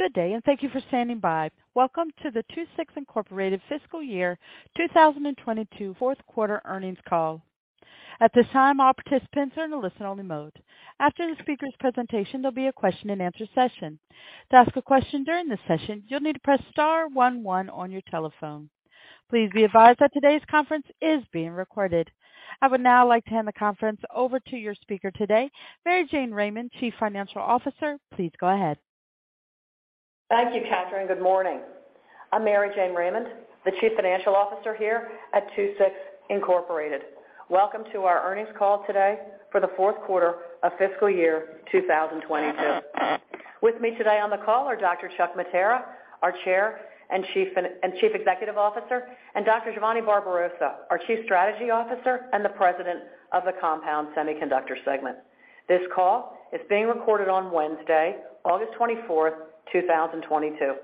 Good day, and thank you for standing by. Welcome to the II-VI Incorporated fiscal year 2022 fourth quarter earnings call. At this time, all participants are in a listen-only mode. After the speaker's presentation, there'll be a question-and-answer session. To ask a question during this session, you'll need to press star one one on your telephone. Please be advised that today's conference is being recorded. I would now like to hand the conference over to your speaker today, Mary Jane Raymond, Chief Financial Officer. Please go ahead. Thank you, Catherine. Good morning. I'm Mary Jane Raymond, the Chief Financial Officer here at II-VI Incorporated. Welcome to our earnings call today for the fourth quarter of fiscal year 2022. With me today on the call are Dr. Chuck Mattera, our Chair and Chief Executive Officer, and Dr. Giovanni Barbarossa, our Chief Strategy Officer and the President of the Compound Semiconductor Segment. This call is being recorded on Wednesday, August 24, 2022.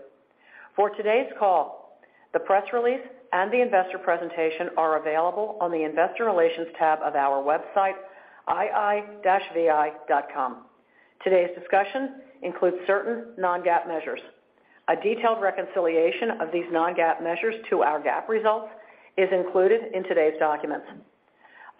For today's call, the press release and the investor presentation are available on the Investor Relations tab of our website, ii-vi.com. Today's discussion includes certain Non-GAAP measures. A detailed reconciliation of these Non-GAAP measures to our GAAP results is included in today's documents.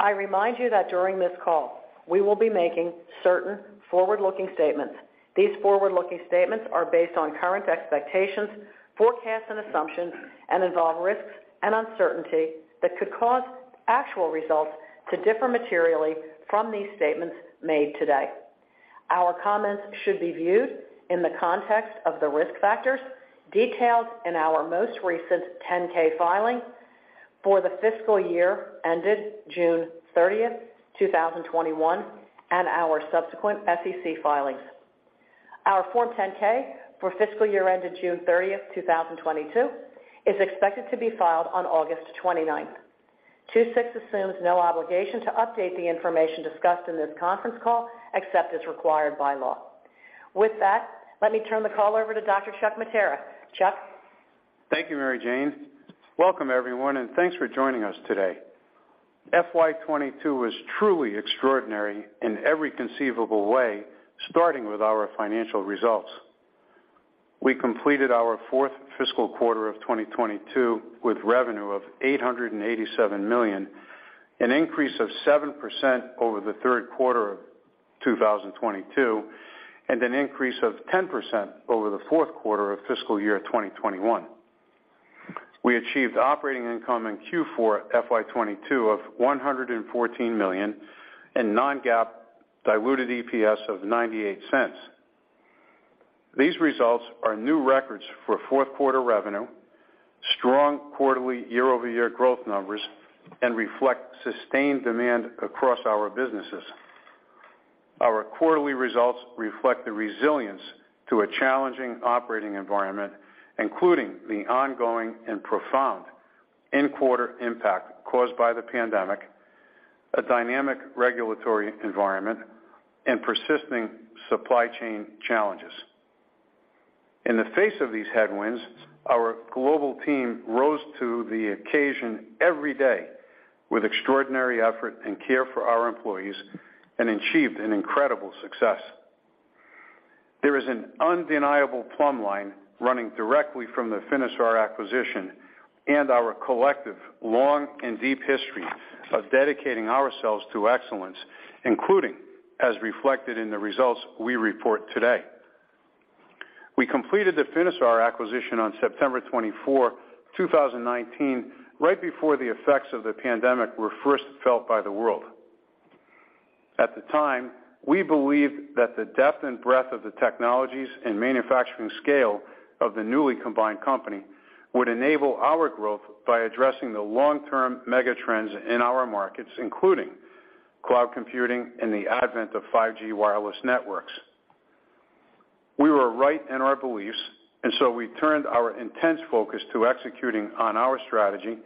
I remind you that during this call, we will be making certain forward-looking statements. These forward-looking statements are based on current expectations, forecasts, and assumptions and involve risks and uncertainty that could cause actual results to differ materially from these statements made today. Our comments should be viewed in the context of the risk factors detailed in our most recent 10-K filing for the fiscal year ended June 30, 2021, and our subsequent SEC filings. Our Form 10-K for fiscal year ended June 30, 2022, is expected to be filed on August 29. II-VI assumes no obligation to update the information discussed in this conference call except as required by law. With that, let me turn the call over to Dr. Chuck Mattera. Chuck? Thank you, Mary Jane. Welcome, everyone, and thanks for joining us today. FY 2022 was truly extraordinary in every conceivable way, starting with our financial results. We completed our fourth fiscal quarter of 2022 with revenue of $887 million, an increase of 7% over the third quarter of 2022, and an increase of 10% over the fourth quarter of fiscal year 2021. We achieved operating income in Q4 FY 2022 of $114 million and Non-GAAP diluted EPS of $0.98. These results are new records for fourth quarter revenue, strong quarterly year-over-year growth numbers, and reflect sustained demand across our businesses. Our quarterly results reflect the resilience to a challenging operating environment, including the ongoing and profound in-quarter impact caused by the pandemic, a dynamic regulatory environment, and persisting supply chain challenges. In the face of these headwinds, our global team rose to the occasion every day with extraordinary effort and care for our employees and achieved an incredible success. There is an undeniable plumb line running directly from the Finisar acquisition and our collective long and deep history of dedicating ourselves to excellence, including as reflected in the results we report today. We completed the Finisar acquisition on September twenty-fourth, two thousand and nineteen, right before the effects of the pandemic were first felt by the world. At the time, we believed that the depth and breadth of the technologies and manufacturing scale of the newly combined company would enable our growth by addressing the long-term mega trends in our markets, including cloud computing and the advent of 5G wireless networks. We were right in our beliefs, and so we turned our intense focus to executing on our strategy,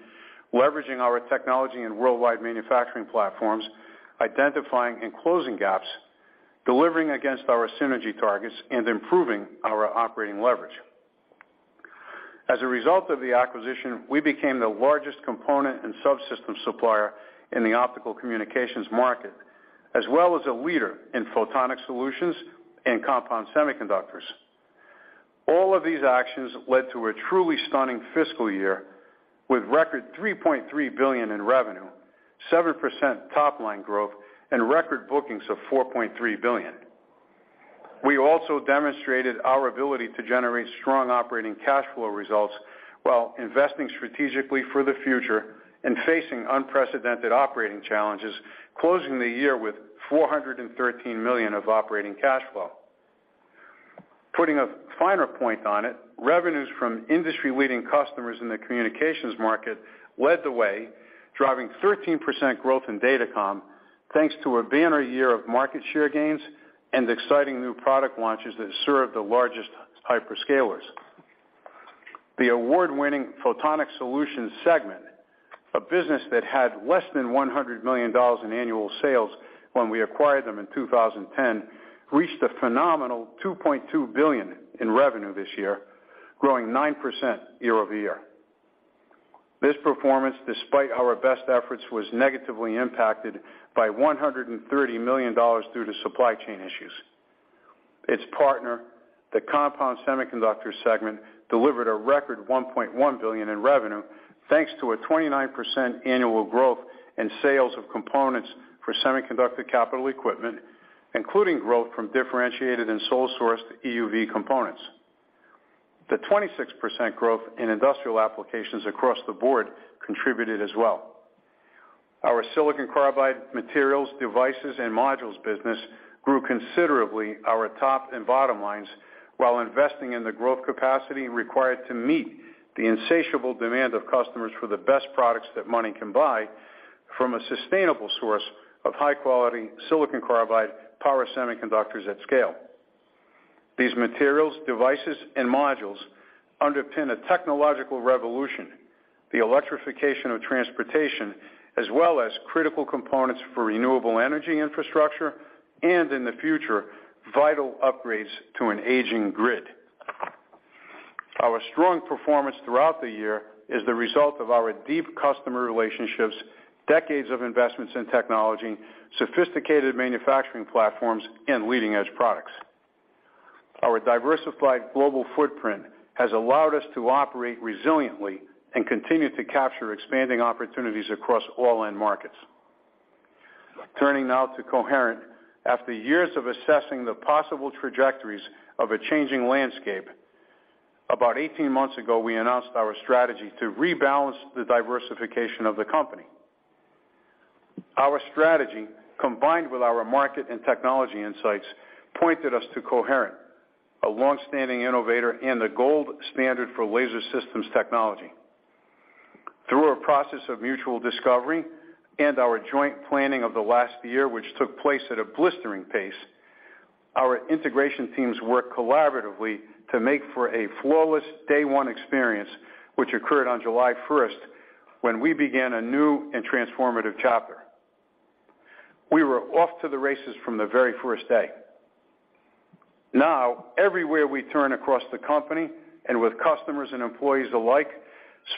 leveraging our technology and worldwide manufacturing platforms, identifying and closing gaps, delivering against our synergy targets, and improving our operating leverage. As a result of the acquisition, we became the largest component and subsystem supplier in the optical communications market, as well as a leader in photonic solutions and compound semiconductors. All of these actions led to a truly stunning fiscal year with record $3.3 billion in revenue, 7% top-line growth, and record bookings of $4.3 billion. We also demonstrated our ability to generate strong operating cash flow results while investing strategically for the future and facing unprecedented operating challenges, closing the year with $413 million of operating cash flow. Putting a finer point on it, revenues from industry-leading customers in the communications market led the way, driving 13% growth in Datacom, thanks to a banner year of market share gains and exciting new product launches that serve the largest hyperscalers. The award-winning Photonic Solutions segment, a business that had less than $100 million in annual sales when we acquired them in 2010, reached a phenomenal $2.2 billion in revenue this year, growing 9% year-over-year. This performance, despite our best efforts, was negatively impacted by $130 million due to supply chain issues. Its partner, the Compound Semiconductors segment, delivered a record $1.1 billion in revenue, thanks to a 29% annual growth in sales of components for semiconductor capital equipment, including growth from differentiated and sole sourced EUV components. The 26% growth in industrial applications across the board contributed as well. Our silicon carbide materials, devices and modules business grew considerably our top and bottom lines while investing in the growth capacity required to meet the insatiable demand of customers for the best products that money can buy from a sustainable source of high quality silicon carbide power semiconductors at scale. These materials, devices and modules underpin a technological revolution, the electrification of transportation, as well as critical components for renewable energy infrastructure and, in the future, vital upgrades to an aging grid. Our strong performance throughout the year is the result of our deep customer relationships, decades of investments in technology, sophisticated manufacturing platforms and leading edge products. Our diversified global footprint has allowed us to operate resiliently and continue to capture expanding opportunities across all end markets. Turning now to Coherent. After years of assessing the possible trajectories of a changing landscape, about 18 months ago, we announced our strategy to rebalance the diversification of the company. Our strategy, combined with our market and technology insights, pointed us to Coherent, a long-standing innovator and the gold standard for laser systems technology. Through a process of mutual discovery and our joint planning of the last year, which took place at a blistering pace, our integration teams worked collaboratively to make for a flawless day one experience, which occurred on July 1st when we began a new and transformative chapter. We were off to the races from the very first day. Now, everywhere we turn across the company and with customers and employees alike,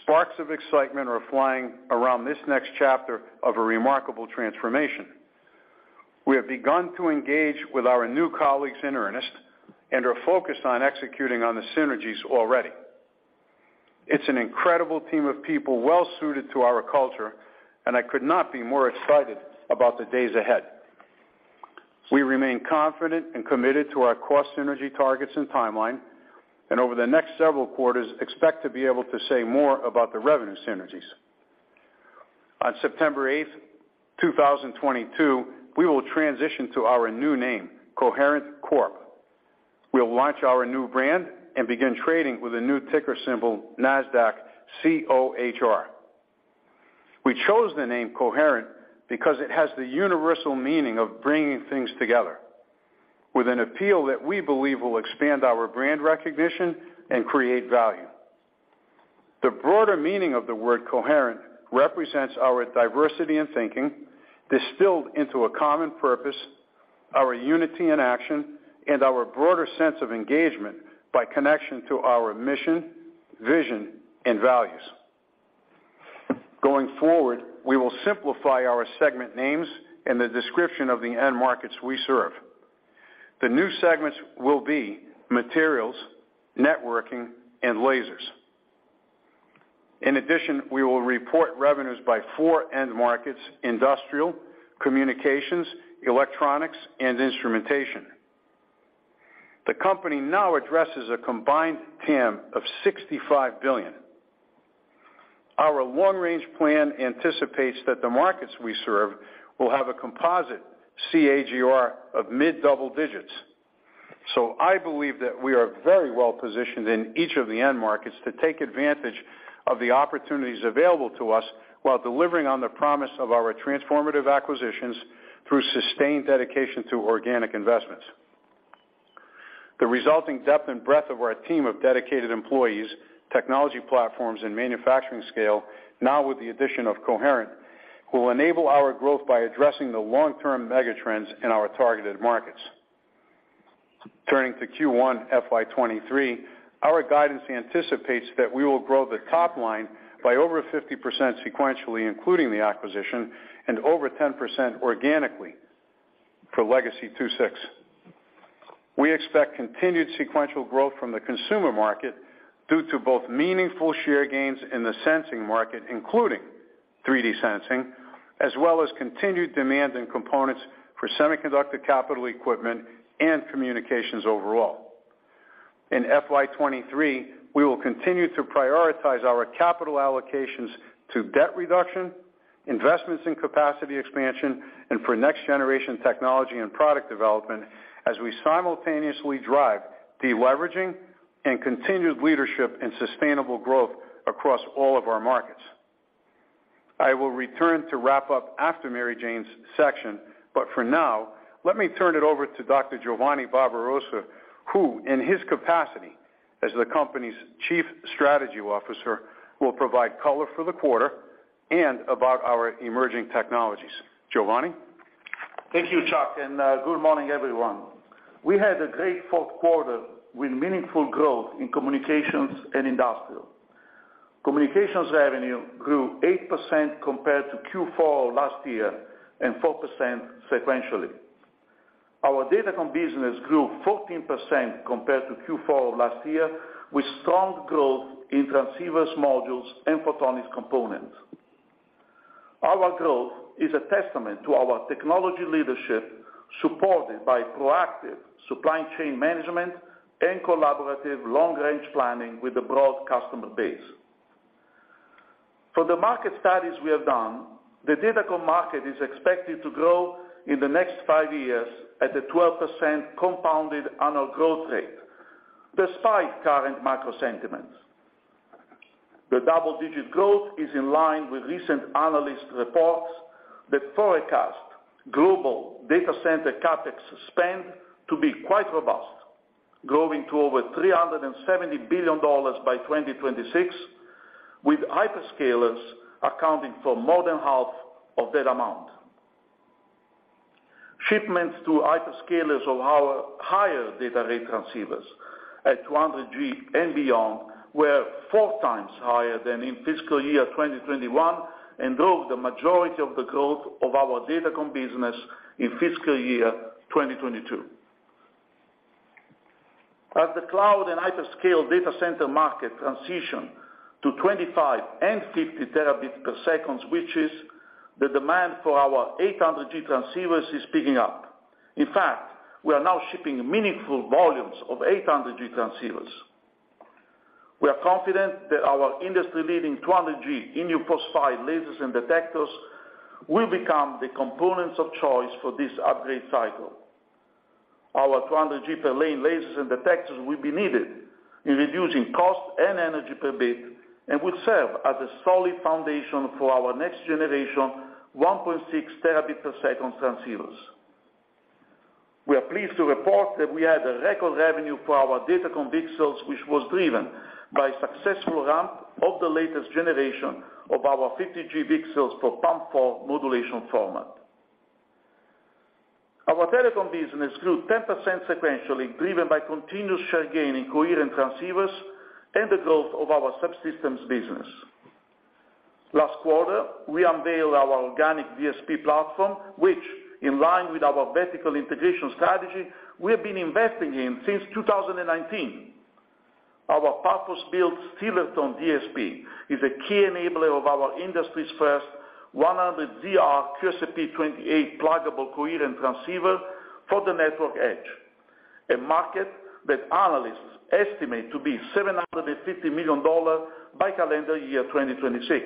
sparks of excitement are flying around this next chapter of a remarkable transformation. We have begun to engage with our new colleagues in earnest and are focused on executing on the synergies already. It's an incredible team of people well suited to our culture, and I could not be more excited about the days ahead. We remain confident and committed to our cost synergy targets and timeline, and over the next several quarters expect to be able to say more about the revenue synergies. On September 8, 2022, we will transition to our new name, Coherent Corp. We'll launch our new brand and begin trading with a new ticker symbol, Nasdaq COHR. We chose the name Coherent because it has the universal meaning of bringing things together with an appeal that we believe will expand our brand recognition and create value. The broader meaning of the word coherent represents our diversity in thinking distilled into a common purpose, our unity in action, and our broader sense of engagement by connection to our mission, vision and values. Going forward, we will simplify our segment names and the description of the end markets we serve. The new segments will be materials, networking, and lasers. In addition, we will report revenues by four end markets, industrial, communications, electronics, and instrumentation. The company now addresses a combined TAM of $65 billion. Our long range plan anticipates that the markets we serve will have a composite CAGR of mid-double digits. I believe that we are very well positioned in each of the end markets to take advantage of the opportunities available to us while delivering on the promise of our transformative acquisitions through sustained dedication to organic investments. The resulting depth and breadth of our team of dedicated employees, technology platforms, and manufacturing scale, now with the addition of Coherent, will enable our growth by addressing the long term megatrends in our targeted markets. Turning to Q1 FY 2023, our guidance anticipates that we will grow the top line by over 50% sequentially, including the acquisition, and over 10% organically for legacy II-VI. We expect continued sequential growth from the consumer market due to both meaningful share gains in the sensing market, including 3D sensing, as well as continued demand in components for semiconductor capital equipment and communications overall. In FY 2023, we will continue to prioritize our capital allocations to debt reduction, investments in capacity expansion, and for next generation technology and product development as we simultaneously drive deleveraging and continued leadership and sustainable growth across all of our markets. I will return to wrap up after Mary Jane's section, but for now, let me turn it over to Dr. Giovanni Barbarossa, who in his capacity as the company's Chief Strategy Officer, will provide color for the quarter and about our emerging technologies. Giovanni? Thank you, Chuck, and good morning, everyone. We had a great fourth quarter with meaningful growth in communications and industrial. Communications revenue grew 8% compared to Q4 last year, and 4% sequentially. Our data center business grew 14% compared to Q4 last year, with strong growth in transceivers modules and photonics components. Our growth is a testament to our technology leadership, supported by proactive supply chain management and collaborative long-range planning with a broad customer base. For the market studies we have done, the data comm market is expected to grow in the next five years at a 12% compounded annual growth rate despite current macro sentiments. The double-digit growth is in line with recent analyst reports that forecast global data center CapEx spend to be quite robust, growing to over $370 billion by 2026, with hyperscalers accounting for more than half of that amount. Shipments to hyperscalers of our higher data rate transceivers at 200 G and beyond were four times higher than in fiscal year 2021, and drove the majority of the growth of our Datacom business in fiscal year 2022. As the cloud and hyperscale data center market transition to 25 and 50 terabits per second switches, the demand for our 800 G transceivers is picking up. In fact, we are now shipping meaningful volumes of 800 G transceivers. We are confident that our industry-leading 200 G indium phosphide lasers and detectors will become the components of choice for this upgrade cycle. Our 200 G per lane lasers and detectors will be needed in reducing cost and energy per bit, and will serve as a solid foundation for our next generation 1.6 terabit per second transceivers. We are pleased to report that we had a record revenue for our Datacom VCSELs, which was driven by successful ramp of the latest generation of our 50 G VCSELs for PAM4 modulation format. Our telecom business grew 10% sequentially, driven by continuous share gain in coherent transceivers and the growth of our subsystems business. Last quarter, we unveiled our organic DSP platform, which in line with our vertical integration strategy we have been investing in since 2019. Our purpose-built Steelerton DSP is a key enabler of our industry's first 100 ZR QSFP28 pluggable coherent transceiver for the network edge, a market that analysts estimate to be $750 million by calendar year 2026.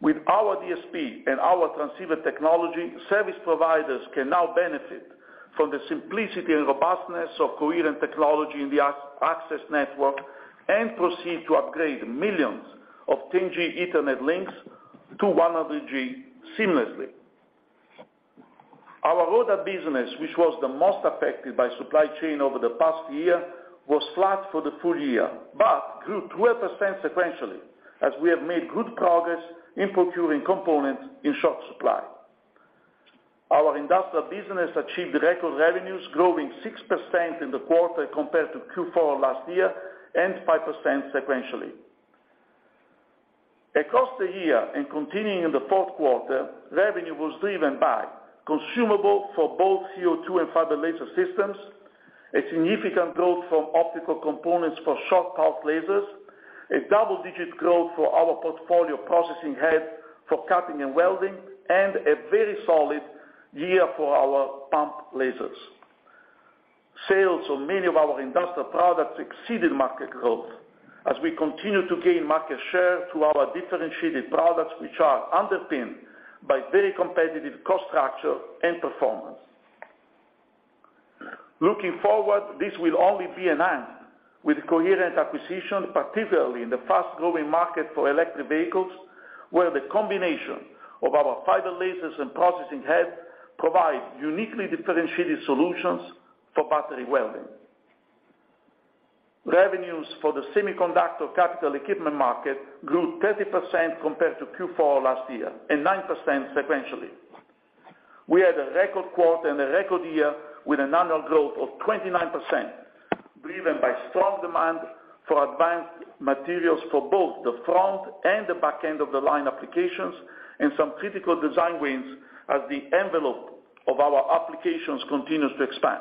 With our DSP and our transceiver technology, service providers can now benefit from the simplicity and robustness of coherent technology in the access network and proceed to upgrade millions of 10G Ethernet links to 100G seamlessly. Our ROADM business, which was the most affected by supply chain over the past year, was flat for the full year, but grew 12% sequentially as we have made good progress in procuring components in short supply. Our industrial business achieved record revenues, growing 6% in the quarter compared to Q4 last year, and 5% sequentially. Across the year and continuing in the fourth quarter, revenue was driven by consumables for both CO2 and fiber laser systems, a significant growth from optical components for short pulse lasers, a double-digit growth for our portfolio processing head for cutting and welding, and a very solid year for our pump lasers. Sales on many of our industrial products exceeded market growth as we continue to gain market share through our differentiated products, which are underpinned by very competitive cost structure and performance. Looking forward, this will only be enhanced with Coherent acquisition, particularly in the fast-growing market for electric vehicles, where the combination of our fiber lasers and processing head provide uniquely differentiated solutions for battery welding. Revenues for the semiconductor capital equipment market grew 30% compared to Q4 last year, and 9% sequentially. We had a record quarter and a record year with an annual growth of 29%, driven by strong demand for advanced materials for both the front and the back end of the line applications and some critical design wins as the envelope of our applications continues to expand.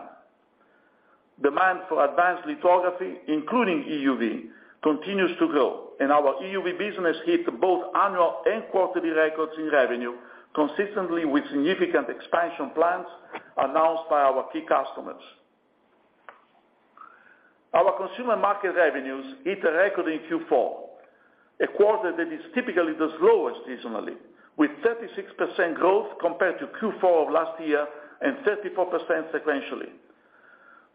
Demand for advanced lithography, including EUV, continues to grow, and our EUV business hit both annual and quarterly records in revenue consistently with significant expansion plans announced by our key customers. Our consumer market revenues hit a record in Q4, a quarter that is typically the slowest seasonally, with 36% growth compared to Q4 of last year, and 34% sequentially.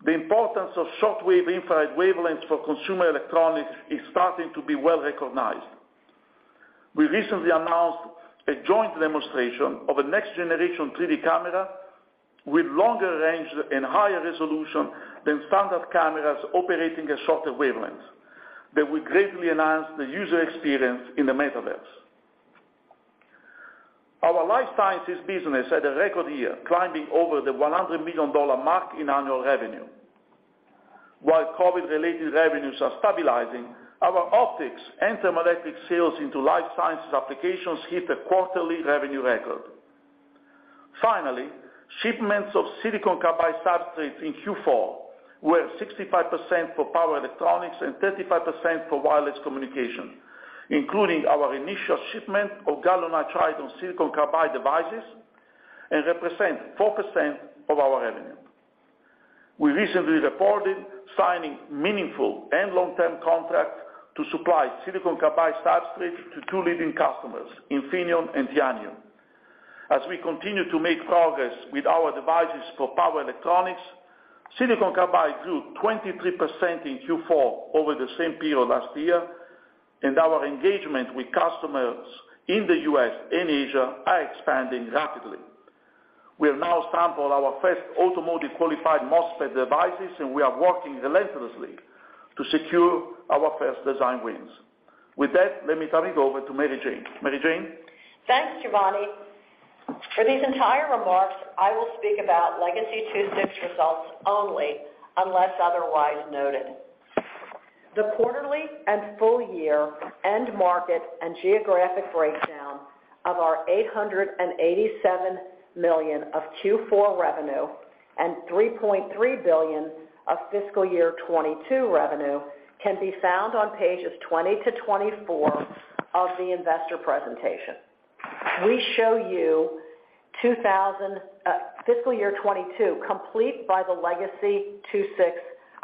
The importance of shortwave infrared wavelengths for consumer electronics is starting to be well-recognized. We recently announced a joint demonstration of a next-generation 3D camera with longer range and higher resolution than standard cameras operating at a shorter wavelength that will greatly enhance the user experience in the Metaverse. Our life sciences business had a record year, climbing over the $100 million mark in annual revenue. While COVID-related revenues are stabilizing, our optics and thermoelectrics sales into life sciences applications hit a quarterly revenue record. Finally, shipments of silicon carbide substrates in Q4 were 65% for power electronics and 35% for wireless communication, including our initial shipment of gallium nitride on silicon carbide devices and represent 4% of our revenue. We recently reported signing a meaningful and long-term contract to supply silicon carbide substrates to two leading customers, Infineon and Tianyu. As we continue to make progress with our devices for power electronics, silicon carbide grew 23% in Q4 over the same period last year, and our engagement with customers in the U.S. and Asia are expanding rapidly. We have now sampled our first automotive qualified MOSFET devices, and we are working relentlessly to secure our first design wins. With that, let me turn it over to Mary Jane. Mary Jane? Thanks, Giovanni. For these entire remarks, I will speak about legacy II-VI results only unless otherwise noted. The quarterly and full year end market and geographic breakdown of our $887 million of Q4 revenue and $3.3 billion of fiscal year 2022 revenue can be found on pages 20-24 of the investor presentation. We show you fiscal year 2022 complete by the legacy II-VI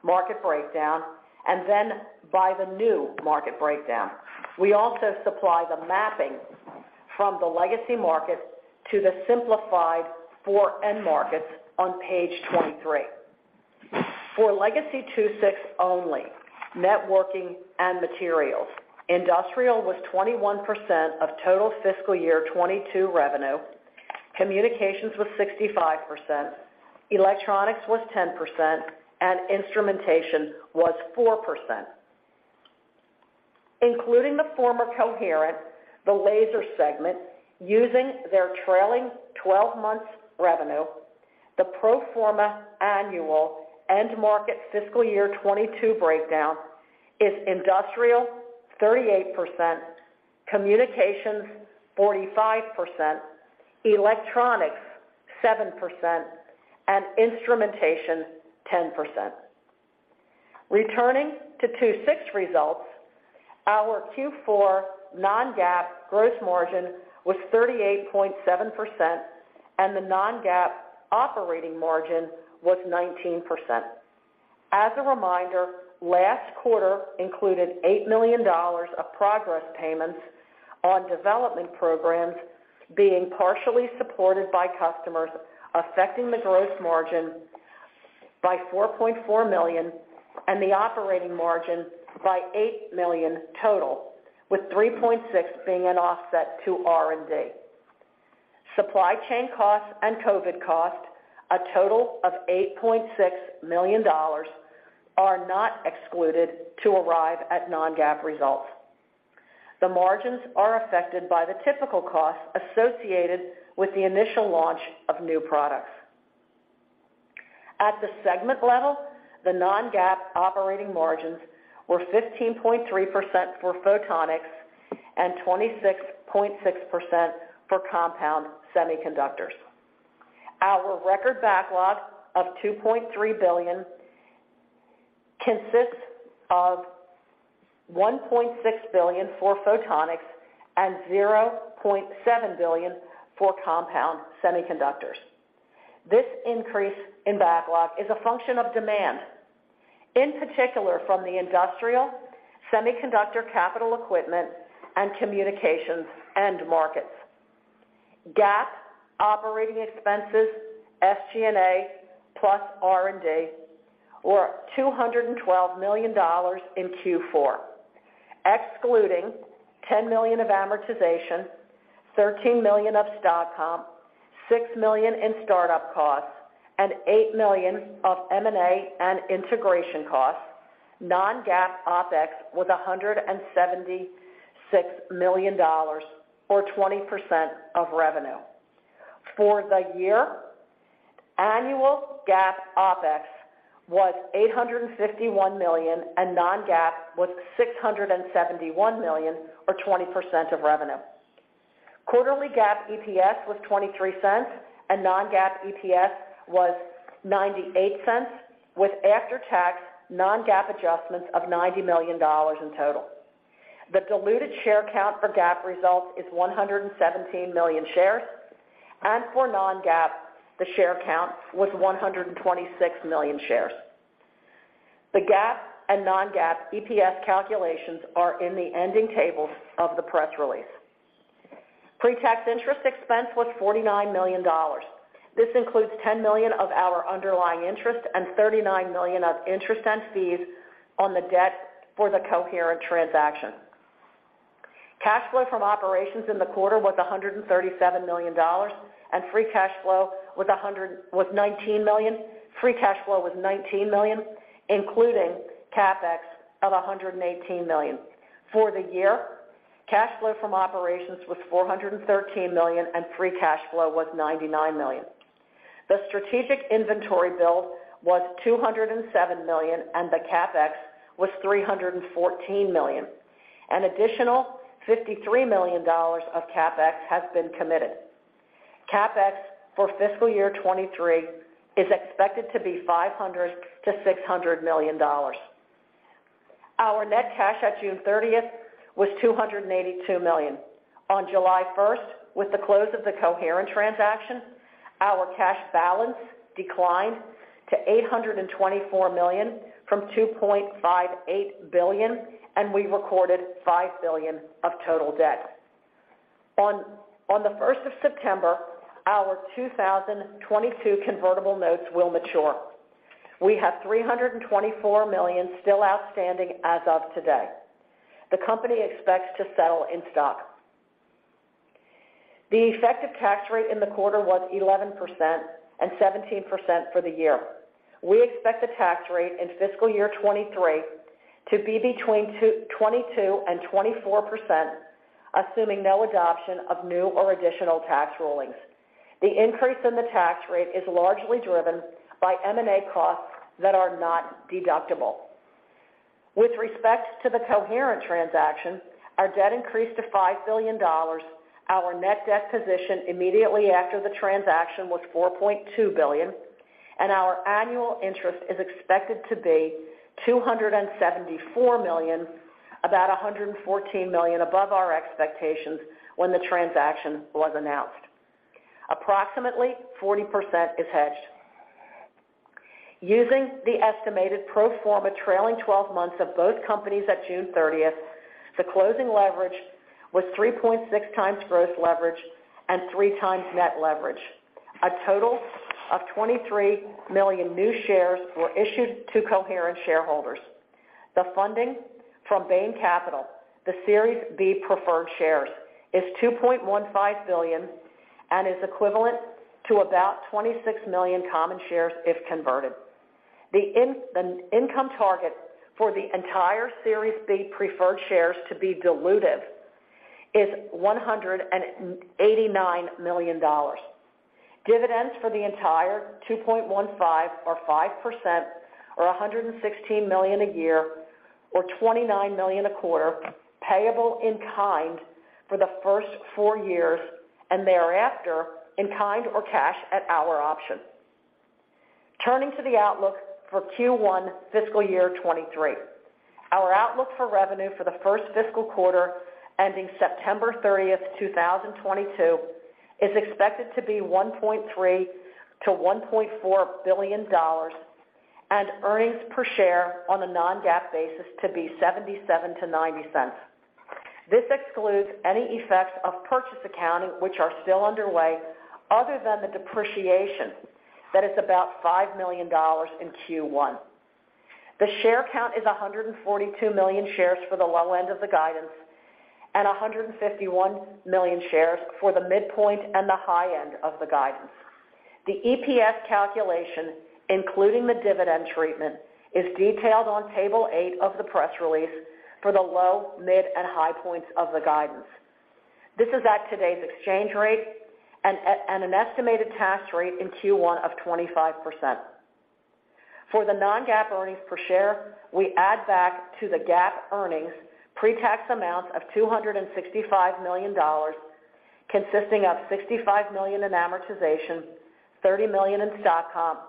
market breakdown and then by the new market breakdown. We also supply the mapping from the legacy market to the simplified four end markets on page 23. For legacy II-VI only, networking and materials, industrial was 21% of total fiscal year 2022 revenue, communications was 65%, electronics was 10%, and instrumentation was 4%. Including the former Coherent, the laser segment, using their trailing twelve months revenue, the pro forma annual end market fiscal year 2022 breakdown is industrial 38%, communications 45%, electronics 7%, and instrumentation 10%. Returning to II-VI results, our Q4 Non-GAAP gross margin was 38.7% and the Non-GAAP operating margin was 19%. As a reminder, last quarter included $8 million of progress payments on development programs being partially supported by customers, affecting the gross margin by $4.4 million and the operating margin by $8 million total, with $3.6 being an offset to R&D. Supply chain costs and COVID costs, a total of $8.6 million, are not excluded to arrive at Non-GAAP results. The margins are affected by the typical costs associated with the initial launch of new products. At the segment level, the Non-GAAP operating margins were 15.3% for Photonics and 26.6% for Compound Semiconductors. Our record backlog of $2.3 billion consists of $1.6 billion for Photonics and $0.7 billion for Compound Semiconductors. This increase in backlog is a function of demand, in particular from the industrial semiconductor capital equipment and communications end markets. GAAP operating expenses, SG&A plus R&D, were $212 million in Q4. Excluding $10 million of amortization, $13 million of stock comp, $6 million in start-up costs, and $8 million of M&A and integration costs, Non-GAAP OpEx was $176 million or 20% of revenue. For the year, annual GAAP OpEx was $851 million, and Non-GAAP was $671 million or 20% of revenue. Quarterly GAAP EPS was $0.23, and Non-GAAP EPS was $0.98, with after-tax Non-GAAP adjustments of $90 million in total. The diluted share count for GAAP results is 117 million shares, and for Non-GAAP, the share count was 126 million shares. The GAAP and Non-GAAP EPS calculations are in the ending tables of the press release. Pre-tax interest expense was $49 million. This includes $10 million of our underlying interest and $39 million of interest and fees on the debt for the Coherent transaction. Cash flow from operations in the quarter was $137 million, and free cash flow was $19 million. Free cash flow was $19 million, including CapEx of $118 million. For the year, cash flow from operations was $413 million, and free cash flow was $99 million. The strategic inventory build was $207 million, and the CapEx was $314 million. An additional $53 million of CapEx has been committed. CapEx for fiscal year 2023 is expected to be $500 million-$600 million. Our net cash at June thirtieth was $282 million. On July first, with the close of the Coherent transaction, our cash balance declined to $824 million from $2.58 billion, and we recorded $5 billion of total debt. On the first of September, our 2022 convertible notes will mature. We have $324 million still outstanding as of today. The company expects to settle in stock. The effective tax rate in the quarter was 11% and 17% for the year. We expect the tax rate in fiscal year 2023 to be between 22% and 24%, assuming no adoption of new or additional tax rulings. The increase in the tax rate is largely driven by M&A costs that are not deductible. With respect to the Coherent transaction, our debt increased to $5 billion. Our net debt position immediately after the transaction was $4.2 billion, and our annual interest is expected to be $274 million, about $114 million above our expectations when the transaction was announced. Approximately 40% is hedged. Using the estimated pro forma trailing twelve months of both companies at June 30, the closing leverage was 3.6x gross leverage and 3x net leverage. A total of 23 million new shares were issued to Coherent shareholders. The funding from Bain Capital, the Series B preferred shares, is $2.15 billion and is equivalent to about 26 million common shares if converted. The income target for the entire Series B preferred shares to be dilutive is $189 million. Dividends for the entire $2.15 billion are 5% or $116 million a year or $29 million a quarter, payable in kind for the first four years, and thereafter in kind or cash at our option. Turning to the outlook for Q1 fiscal year 2023. Our outlook for revenue for the first fiscal quarter ending September 30, 2022, is expected to be $1.3 billion-$1.4 billion and earnings per share on a Non-GAAP basis to be $0.77-$0.90. This excludes any effects of purchase accounting which are still underway other than the depreciation that is about $5 million in Q1. The share count is 142 million shares for the low end of the guidance and 151 million shares for the midpoint and the high end of the guidance. The EPS calculation, including the dividend treatment, is detailed on table 8 of the press release for the low, mid, and high points of the guidance. This is at today's exchange rate and an estimated tax rate in Q1 of 25%. For the Non-GAAP earnings per share, we add back to the GAAP earnings pre-tax amounts of $265 million, consisting of $65 million in amortization, $30 million in stock comp,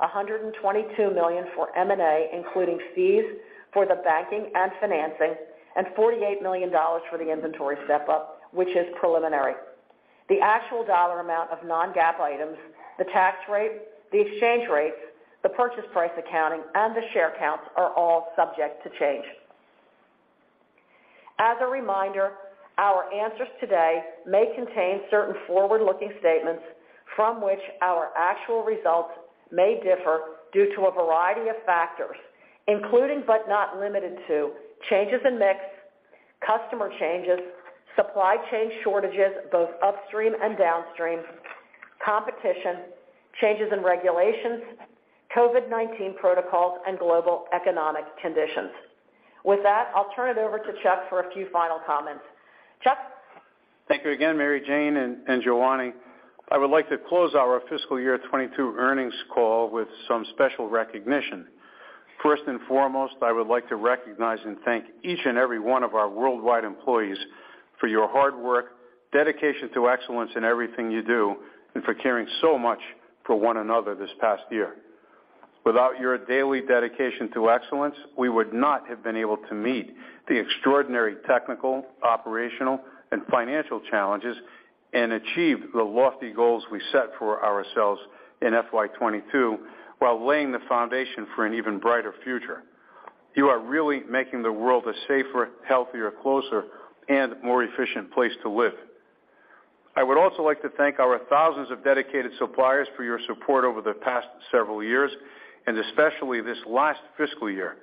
$122 million for M&A, including fees for the banking and financing, and $48 million for the inventory step-up, which is preliminary. The actual dollar amount of Non-GAAP items, the tax rate, the exchange rates, the purchase price accounting, and the share counts are all subject to change. As a reminder, our answers today may contain certain forward-looking statements from which our actual results may differ due to a variety of factors, including, but not limited to, changes in mix, customer changes, supply chain shortages, both upstream and downstream, competition, changes in regulations, COVID-19 protocols, and global economic conditions. With that, I'll turn it over to Chuck for a few final comments. Chuck? Thank you again, Mary Jane and Giovanni. I would like to close our fiscal year 2022 earnings call with some special recognition. First and foremost, I would like to recognize and thank each and every one of our worldwide employees for your hard work, dedication to excellence in everything you do, and for caring so much for one another this past year. Without your daily dedication to excellence, we would not have been able to meet the extraordinary technical, operational, and financial challenges and achieve the lofty goals we set for ourselves in FY 2022 while laying the foundation for an even brighter future. You are really making the world a safer, healthier, closer, and more efficient place to live. I would also like to thank our thousands of dedicated suppliers for your support over the past several years, and especially this last fiscal year.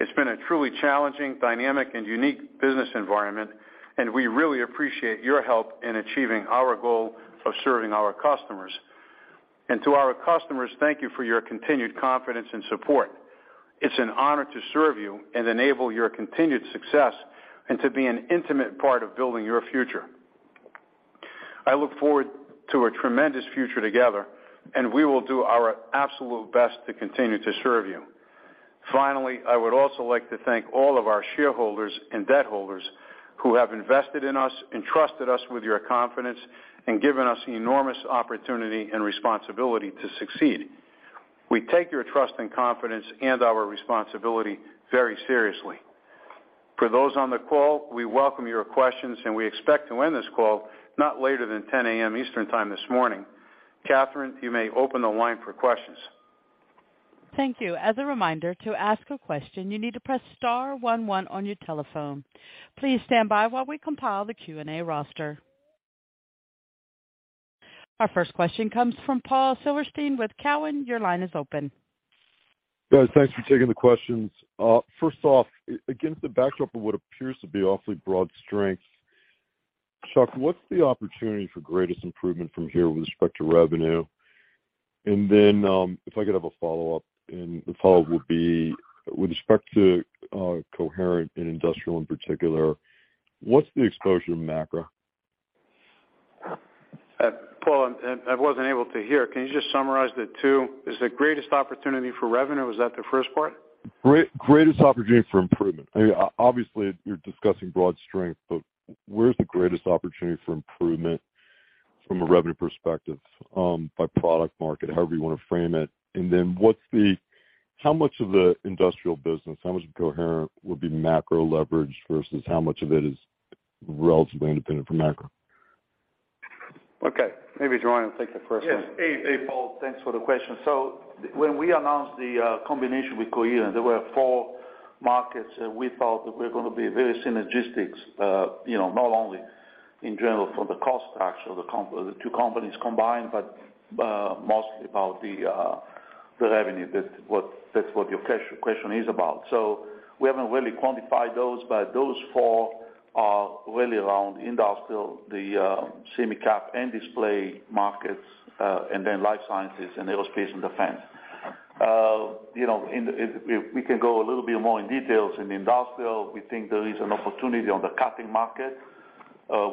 It's been a truly challenging, dynamic and unique business environment, and we really appreciate your help in achieving our goal of serving our customers. To our customers, thank you for your continued confidence and support. It's an honor to serve you and enable your continued success and to be an intimate part of building your future. I look forward to a tremendous future together, and we will do our absolute best to continue to serve you. Finally, I would also like to thank all of our shareholders and debt holders who have invested in us, entrusted us with your confidence, and given us enormous opportunity and responsibility to succeed. We take your trust and confidence and our responsibility very seriously. For those on the call, we welcome your questions, and we expect to end this call not later than 10 A.M. Eastern time this morning. Catherine, you may open the line for questions. Thank you. As a reminder, to ask a question, you need to press star one one on your telephone. Please stand by while we compile the Q&A roster. Our first question comes from Paul Silverstein with Cowen. Your line is open. Guys, thanks for taking the questions. First off, against the backdrop of what appears to be awfully broad strengths, Chuck, what's the opportunity for greatest improvement from here with respect to revenue? If I could have a follow-up, the follow-up would be with respect to Coherent and industrial in particular, what's the exposure to macro? Paul, I wasn't able to hear. Can you just summarize the two? Is the greatest opportunity for revenue, was that the first part? Greatest opportunity for improvement. I mean, obviously, you're discussing broad strength, but where's the greatest opportunity for improvement from a revenue perspective, by product market, however you wanna frame it. How much of the industrial business, how much of Coherent would be macro leverage versus how much of it is relatively independent from macro? Okay, maybe Giovanni Barbarossa will take the first one. Yes. Hey, Paul, thanks for the question. When we announced the combination with Coherent, there were four markets that we thought that were gonna be very synergistic, you know, not only in general for the cost structure of the two companies combined, but mostly about the revenue. That's what your question is about. We haven't really quantified those, but those four are really around industrial, the semi cap and display markets, and then life sciences and aerospace and defense. You know, we can go a little bit more into details. In industrial, we think there is an opportunity on the cutting market,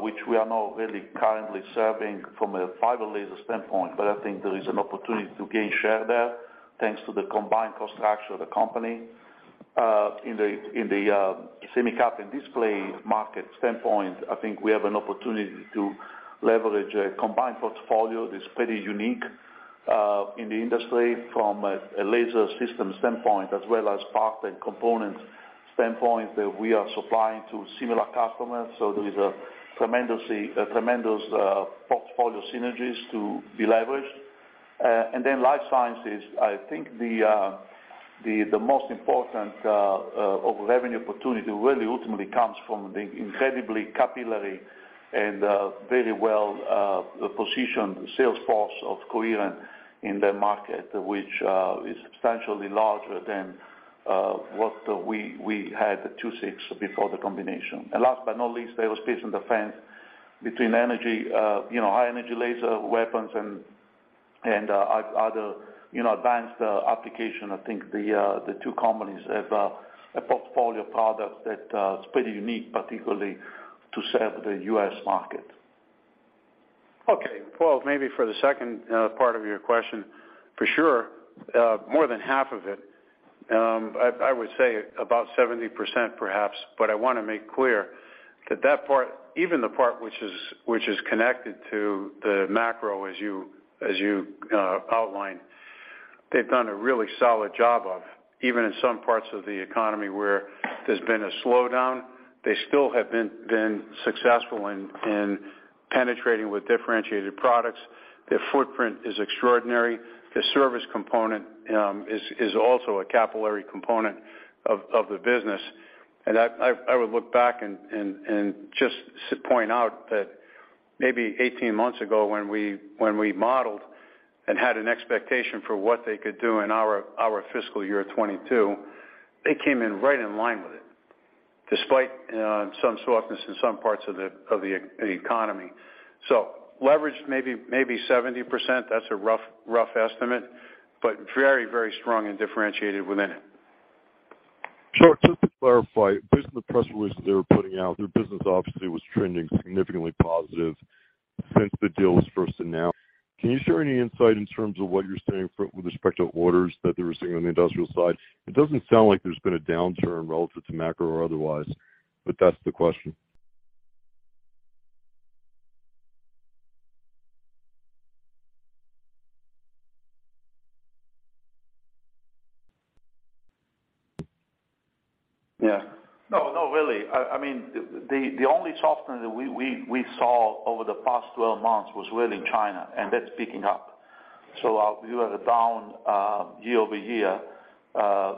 which we are not really currently serving from a fiber laser standpoint, but I think there is an opportunity to gain share there, thanks to the combined cost structure of the company. In the semicon and display market standpoint, I think we have an opportunity to leverage a combined portfolio that's pretty unique in the industry from a laser system standpoint as well as parts and components standpoint that we are supplying to similar customers. There is a tremendous portfolio synergies to be leveraged. Life Sciences, I think the most important of revenue opportunity really ultimately comes from the incredibly capillary and very well positioned sales force of Coherent in that market, which is substantially larger than what we had at II-VI before the combination. Last but not least, aerospace and defense between energy, you know, high energy laser weapons and other, you know, advanced application. I think the two companies have a portfolio of products that is pretty unique, particularly to serve the U.S. market. Okay. Paul, maybe for the second part of your question, for sure, more than half of it, I would say about 70% perhaps, but I wanna make clear that that part, even the part which is connected to the macro, as you outlined, they've done a really solid job of. Even in some parts of the economy where there's been a slowdown, they still have been successful in penetrating with differentiated products. Their footprint is extraordinary. The service component is also a capillary component of the business. I would look back and just point out that maybe 18 months ago when we modeled and had an expectation for what they could do in our fiscal year 2022, they came in right in line with it, despite some softness in some parts of the economy. Leverage maybe 70%. That's a rough estimate, but very strong and differentiated within it. Sure. Just to clarify, based on the press releases they were putting out, their business obviously was trending significantly positive since the deal was first announced. Can you share any insight in terms of what you're seeing with respect to orders that they were seeing on the industrial side? It doesn't sound like there's been a downturn relative to macro or otherwise, but that's the question. Yeah. No, no, really. I mean, the only softness that we saw over the past 12 months was really China, and that's picking up. We were down year-over-year,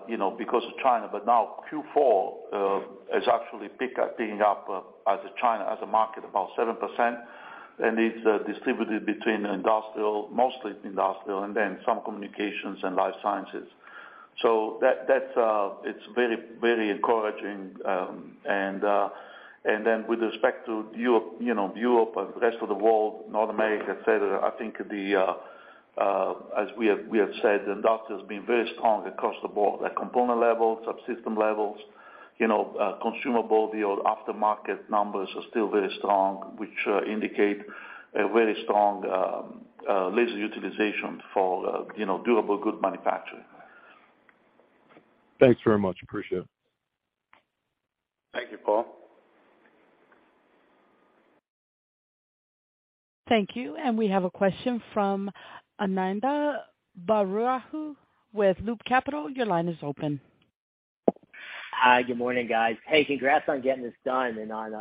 you know, because of China. Now Q4 is actually picking up in China as a market about 7%, and it's distributed between industrial, mostly industrial, and then some communications and life sciences. That's very, very encouraging. With respect to Europe, you know, Europe and the rest of the world, North America, et cetera, I think, as we have said, industrial has been very strong across the board, at component levels, subsystem levels, you know, consumable, the aftermarket numbers are still very strong, which indicate a very strong laser utilization for, you know, durable good manufacturing. Thanks very much. Appreciate it. Thank you, Paul. Thank you. We have a question from Ananda Baruah with Loop Capital. Your line is open. Hi. Good morning, guys. Hey, congrats on getting this done and on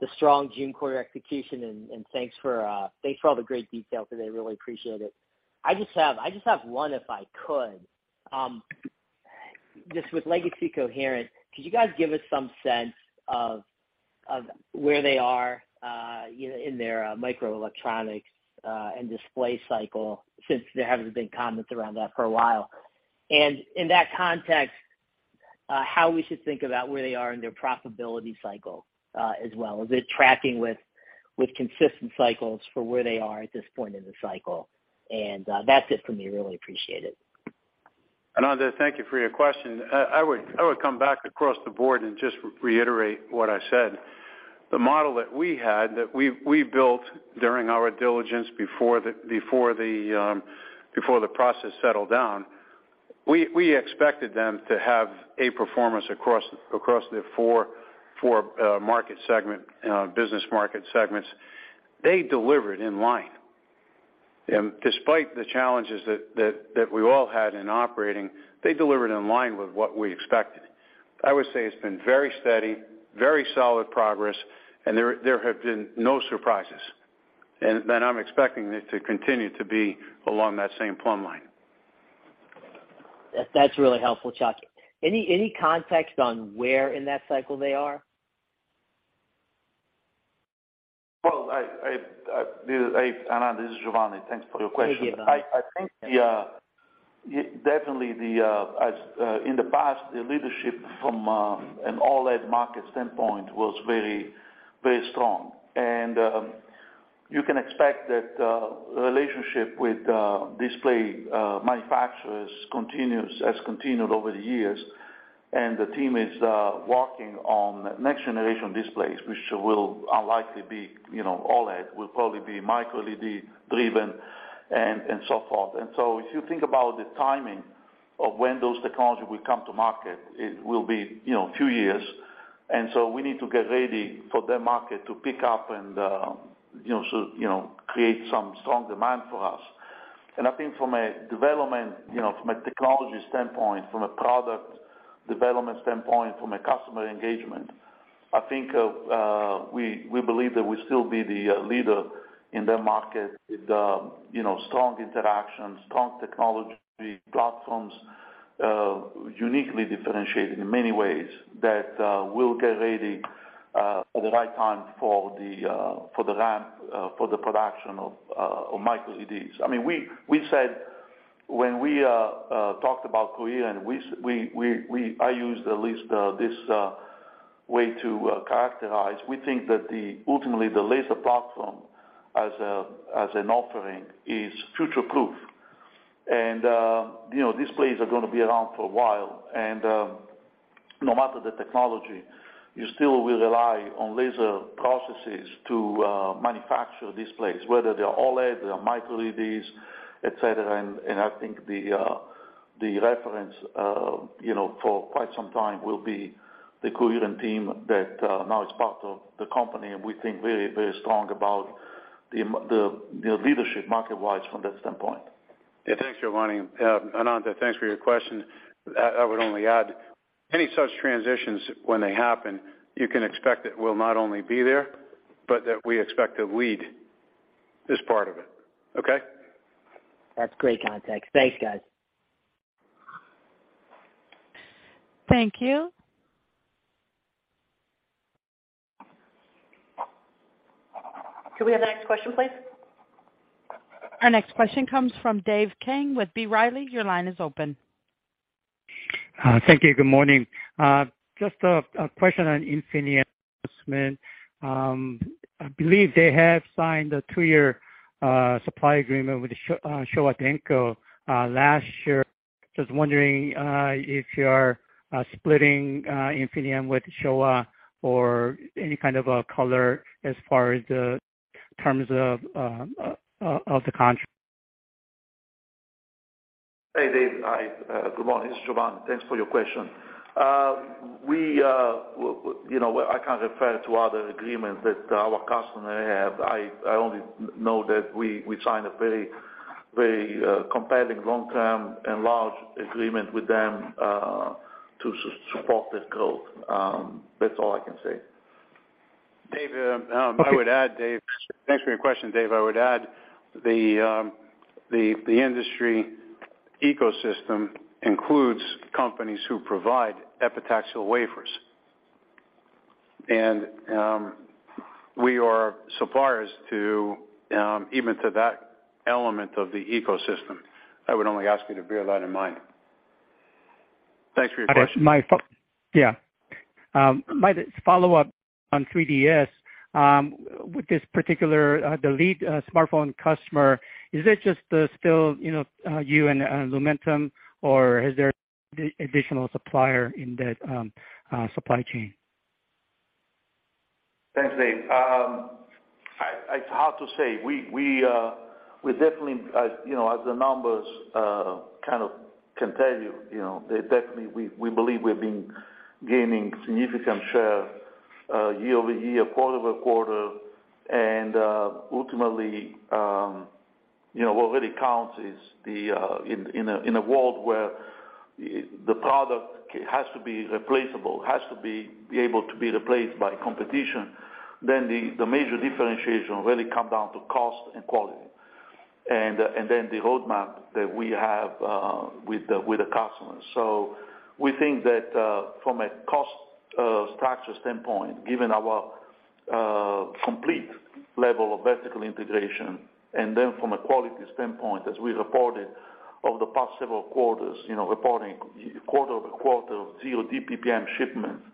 the strong June quarter execution, and thanks for all the great detail today. Really appreciate it. I just have one, if I could. Just with Legacy Coherent, could you guys give us some sense of where they are in their microelectronics and display cycle since they haven't been commenting on that for a while? In that context, how should we think about where they are in their profitability cycle as well? Is it tracking with consistent cycles for where they are at this point in the cycle? That's it for me. Really appreciate it. Ananda, thank you for your question. I would come back across the board and just reiterate what I said. The model that we had that we built during our diligence before the process settled down, we expected them to have a performance across the four business market segments. They delivered in line. Despite the challenges that we all had in operating, they delivered in line with what we expected. I would say it's been very steady, very solid progress, and there have been no surprises. I'm expecting it to continue to be along that same plumb line. That's really helpful, Chuck. Any context on where in that cycle they are? Well, Ananda, this is Giovanni. Thanks for your question. Thank you. I think definitely in the past, the leadership from an OLED market standpoint was very strong. You can expect that the relationship with display manufacturers has continued over the years, and the team is working on next generation displays, which will unlikely be, you know, OLED, will probably be microLED driven and so forth. If you think about the timing of when those technology will come to market, it will be, you know, a few years. We need to get ready for that market to pick up and, you know, create some strong demand for us. I think from a development, you know, from a technology standpoint, from a product development standpoint, from a customer engagement, I think we believe that we'll still be the leader in that market with, you know, strong interactions, strong technology platforms, uniquely differentiated in many ways that we'll get ready at the right time for the ramp for the production of MicroLEDs. I mean, we said when we talked about Coherent, I used at least this way to characterize. We think that ultimately the laser platform as an offering is future proof. You know, displays are gonna be around for a while. No matter the technology, you still will rely on laser processes to manufacture displays, whether they are OLED, they are microLEDs, et cetera. I think the reference, you know, for quite some time will be the Coherent team that now is part of the company, and we think very, very strong about the leadership market-wise from that standpoint. Yeah. Thanks, Giovanni. Ananda, thanks for your question. I would only add any such transitions when they happen, you can expect that we'll not only be there, but that we expect to lead this part of it. Okay? That's great context. Thanks, guys. Thank you. Could we have the next question, please? Our next question comes from Dave Kang with B. Riley. Your line is open. Thank you. Good morning. Just a question on Infineon investment. I believe they have signed a two-year supply agreement with the Showa Denko last year. Just wondering if you are splitting Infineon with Showa or any kind of a color as far as the terms of the contract. Hey, Dave. Hi, good morning. This is Giovanni. Thanks for your question. You know, I can't refer to other agreements that our customer have. I only know that we signed a very compelling long-term and large agreement with them to support this growth. That's all I can say. Dave, I would add, Dave, thanks for your question, Dave. I would add the industry ecosystem includes companies who provide epitaxial wafers. We are suppliers to even that element of the ecosystem. I would only ask you to bear that in mind. Thanks for your question. My follow-up on 3DS with this particular, the lead smartphone customer, is it just, still, you know, you and Lumentum, or is there additional supplier in that supply chain? Thanks, Dave. It's hard to say. We definitely, as you know, as the numbers kind of can tell you know, we believe we've been gaining significant share year-over-year, quarter-over-quarter. Ultimately, you know, what really counts is in a world where the product has to be replaceable, has to be able to be replaced by competition, then the major differentiation really come down to cost and quality, and then the roadmap that we have with the customers. We think that, from a cost structure standpoint, given our complete level of vertical integration, and then from a quality standpoint, as we reported over the past several quarters, you know, reporting quarter-over-quarter Zero DPPM shipments,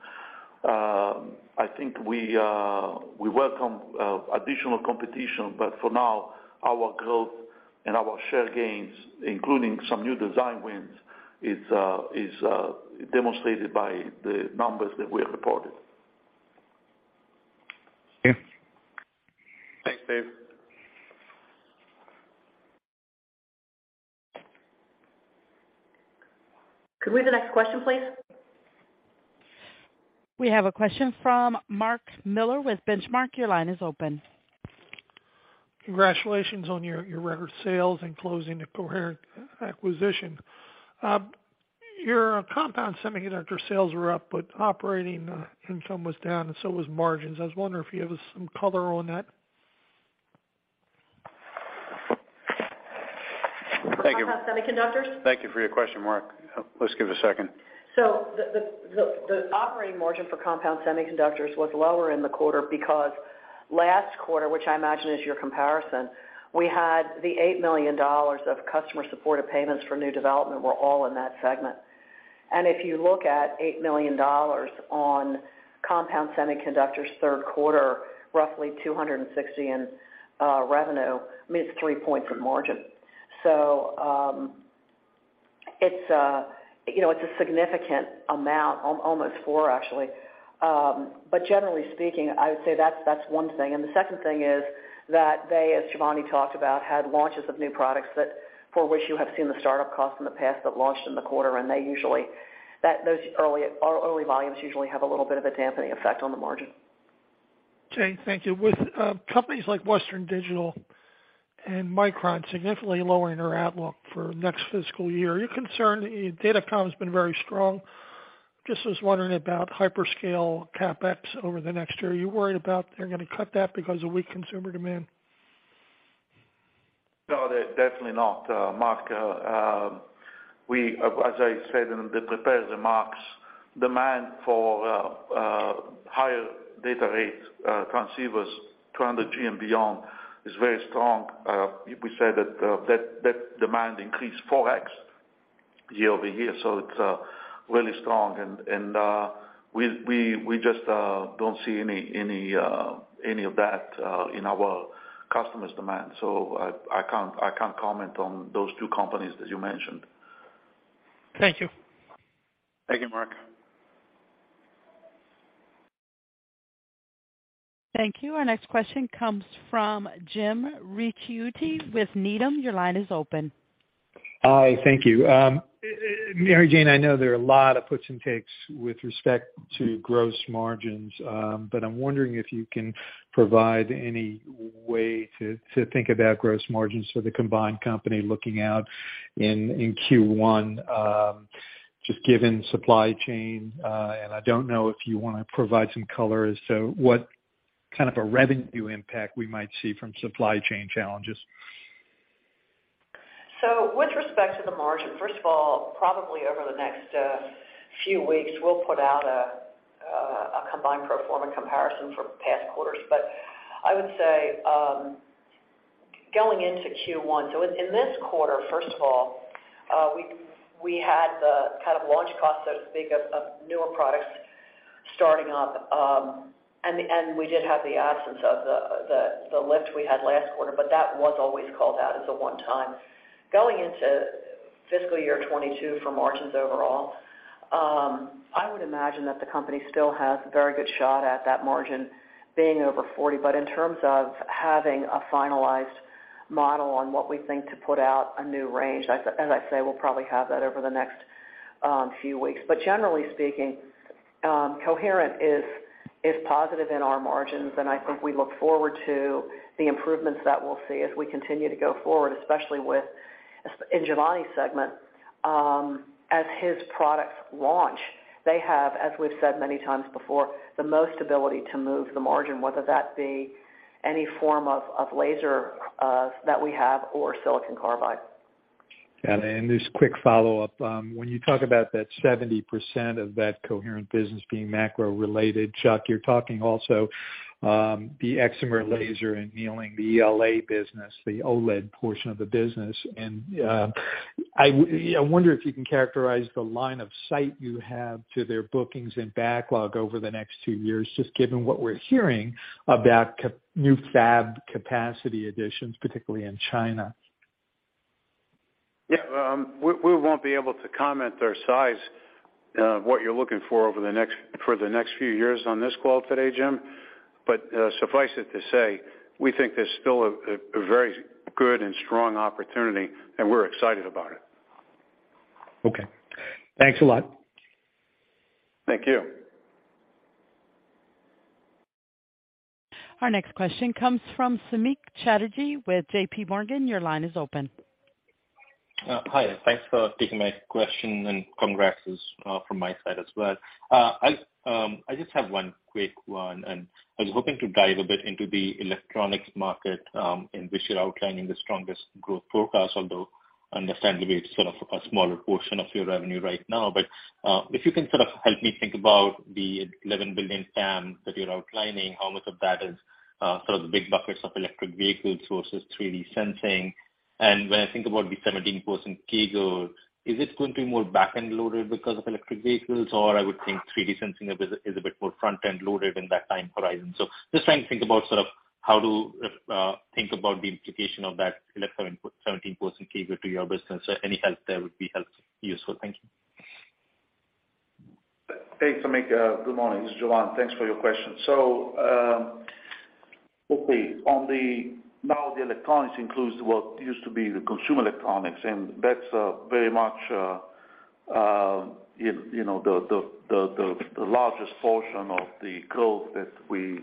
I think we welcome additional competition, but for now, our growth and our share gains, including some new design wins, is demonstrated by the numbers that we have reported. Thank you. Thanks, Dave. Could we have the next question, please? We have a question from Mark Miller with Benchmark. Your line is open. Congratulations on your record sales and closing the Coherent acquisition. Your compound semiconductor sales were up, but operating income was down and so was margins. I was wondering if you have some color on that. Thank you. Compound Semiconductors. Thank you for your question, Mark. Let's give it a second. The operating margin for Compound Semiconductors was lower in the quarter because last quarter, which I imagine is your comparison, we had the $8 million of customer supported payments for new development were all in that segment. If you look at $8 million on Compound Semiconductors third quarter, roughly $260 million in revenue, I mean, it's 3 points in margin. You know, it's a significant amount, almost 4 actually. But generally speaking, I would say that's one thing. The second thing is that they, as Giovanni talked about, had launches of new products that for which you have seen the start-up costs in the past that launched in the quarter, and they usually, those early volumes usually have a little bit of a dampening effect on the margin. Okay, thank you. With companies like Western Digital and Micron significantly lowering their outlook for next fiscal year, are you concerned? Datacom's been very strong. Just was wondering about hyperscale CapEx over the next year. Are you worried about they're gonna cut that because of weak consumer demand? No, definitely not, Mark. We, as I said in the prepared remarks, demand for higher data rate transceivers, 200G and beyond, is very strong. We say that demand increased 4x year-over-year, so it's really strong. We just don't see any of that in our customers' demand. So I can't comment on those two companies that you mentioned. Thank you. Thank you, Mark. Thank you. Our next question comes from Jim Ricchiuti with Needham. Your line is open. Hi, thank you. Mary Jane, I know there are a lot of puts and takes with respect to gross margins, but I'm wondering if you can provide any way to think about gross margins for the combined company looking out in Q1, just given supply chain. I don't know if you wanna provide some color as to what kind of a revenue impact we might see from supply chain challenges. With respect to the margin, first of all, probably over the next few weeks, we'll put out a combined pro forma comparison for past quarters. I would say, going into Q1, so in this quarter, first of all, we had the kind of launch costs, so to speak, of newer products starting up, and we did have the absence of the lift we had last quarter, but that was always called out as a one-time. Going into fiscal year 2022 for margins overall, I would imagine that the company still has a very good shot at that margin being over 40%, but in terms of having a finalized model on what we think to put out a new range, as I say, we'll probably have that over the next few weeks. Generally speaking, Coherent is positive in our margins, and I think we look forward to the improvements that we'll see as we continue to go forward, especially within Giovanni's segment. As his products launch, they have, as we've said many times before, the most ability to move the margin, whether that be any form of laser that we have or silicon carbide. This quick follow-up. When you talk about that 70% of that Coherent business being macro-related, Chuck, you're talking also the excimer laser annealing, the ELA business, the OLED portion of the business. I wonder if you can characterize the line of sight you have to their bookings and backlog over the next two years, just given what we're hearing about new fab capacity additions, particularly in China. We won't be able to comment the size, what you're looking for for the next few years on this call today, Jim. Suffice it to say, we think there's still a very good and strong opportunity, and we're excited about it. Okay. Thanks a lot. Thank you. Our next question comes from Samik Chatterjee with J.P. Morgan. Your line is open. Hi. Thanks for taking my question, and congrats from my side as well. I just have one quick one, and I was hoping to dive a bit into the electronics market in which you're outlining the strongest growth forecast, although understandably, it's sort of a smaller portion of your revenue right now. If you can sort of help me think about the $11 billion TAM that you're outlining, how much of that is sort of the big buckets of electric vehicles versus 3D sensing. When I think about the 17% CAGR, is it going to be more back-end loaded because of electric vehicles, or I would think 3D sensing is a bit more front-end loaded in that time horizon. Just trying to think about sort of how to think about the implication of that 17% CAGR to your business. Any help there would be helpful. Useful. Thank you. Hey, Samik. Good morning. It's Giovanni. Thanks for your question. Hopefully now the electronics includes what used to be the consumer electronics, and that's very much you know the largest portion of the growth that we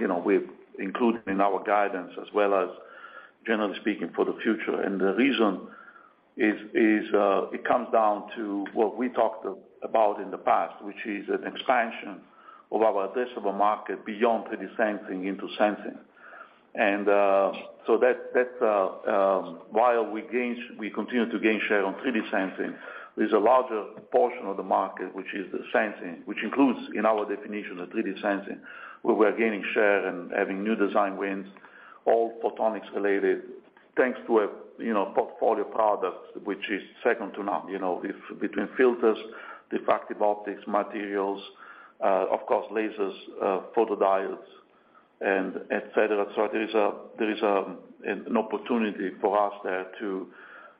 you know we've included in our guidance, as well as generally speaking for the future. The reason is it comes down to what we talked about in the past, which is an expansion of our addressable market beyond 3D sensing into sensing. While we continue to gain share on 3D sensing, there's a larger portion of the market, which is the sensing, which includes in our definition of 3D sensing, where we're gaining share and having new design wins, all photonics related, thanks to a portfolio of products which is second to none, you know, including filters, diffractive optics, materials, of course, lasers, photodiodes, and et cetera. There is an opportunity for us there to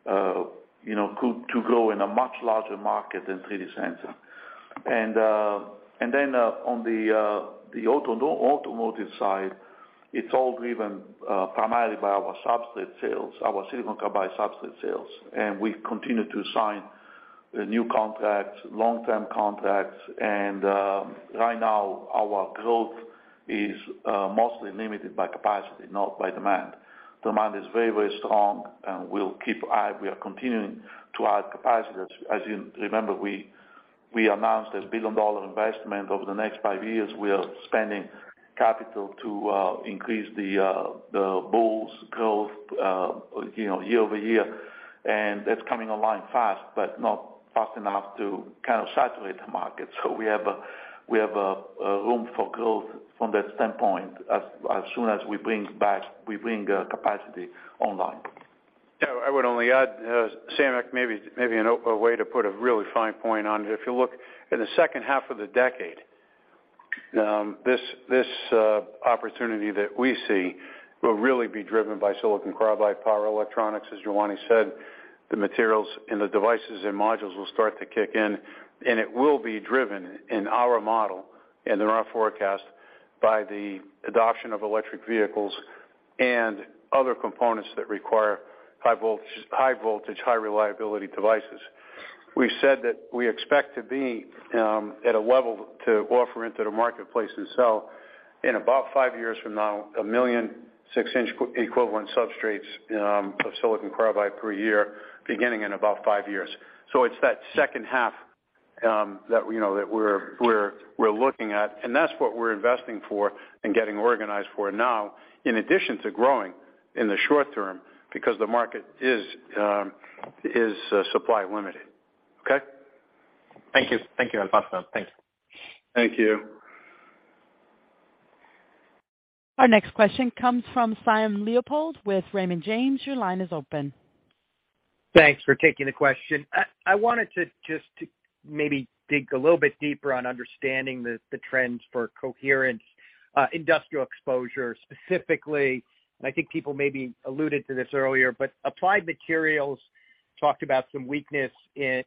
grow in a much larger market than 3D sensing. On the automotive side, it's all driven primarily by our substrate sales, our silicon carbide substrate sales. We continue to sign new contracts, long-term contracts. Right now, our growth is mostly limited by capacity, not by demand. Demand is very, very strong, and we are continuing to add capacity. As you remember, we announced a billion-dollar investment. Over the next five years, we are spending capital to increase the bullish growth, you know, year over year. That's coming online fast, but not fast enough to kind of saturate the market. We have a room for growth from that standpoint as soon as we bring capacity online. Yeah. I would only add, Samik, maybe a way to put a really fine point on it. If you look in the second half of the decade, this opportunity that we see will really be driven by silicon carbide power electronics. As Giovanni said, the materials and the devices and modules will start to kick in, and it will be driven in our model and in our forecast by the adoption of electric vehicles and other components that require high voltage, high reliability devices. We said that we expect to be at a level to offer into the marketplace and sell in about five years from now, 1 million six-inch equivalent substrates of silicon carbide per year, beginning in about five years. It's that second half that you know that we're looking at, and that's what we're investing for and getting organized for now, in addition to growing in the short term because the market is supply limited. Okay? Thank you. Thank you, I'll pass on. Thanks. Thank you. Our next question comes from Simon Leopold with Raymond James. Your line is open. Thanks for taking the question. I wanted to just to maybe dig a little bit deeper on understanding the trends for Coherent's industrial exposure specifically. I think people maybe alluded to this earlier, but Applied Materials talked about some weakness in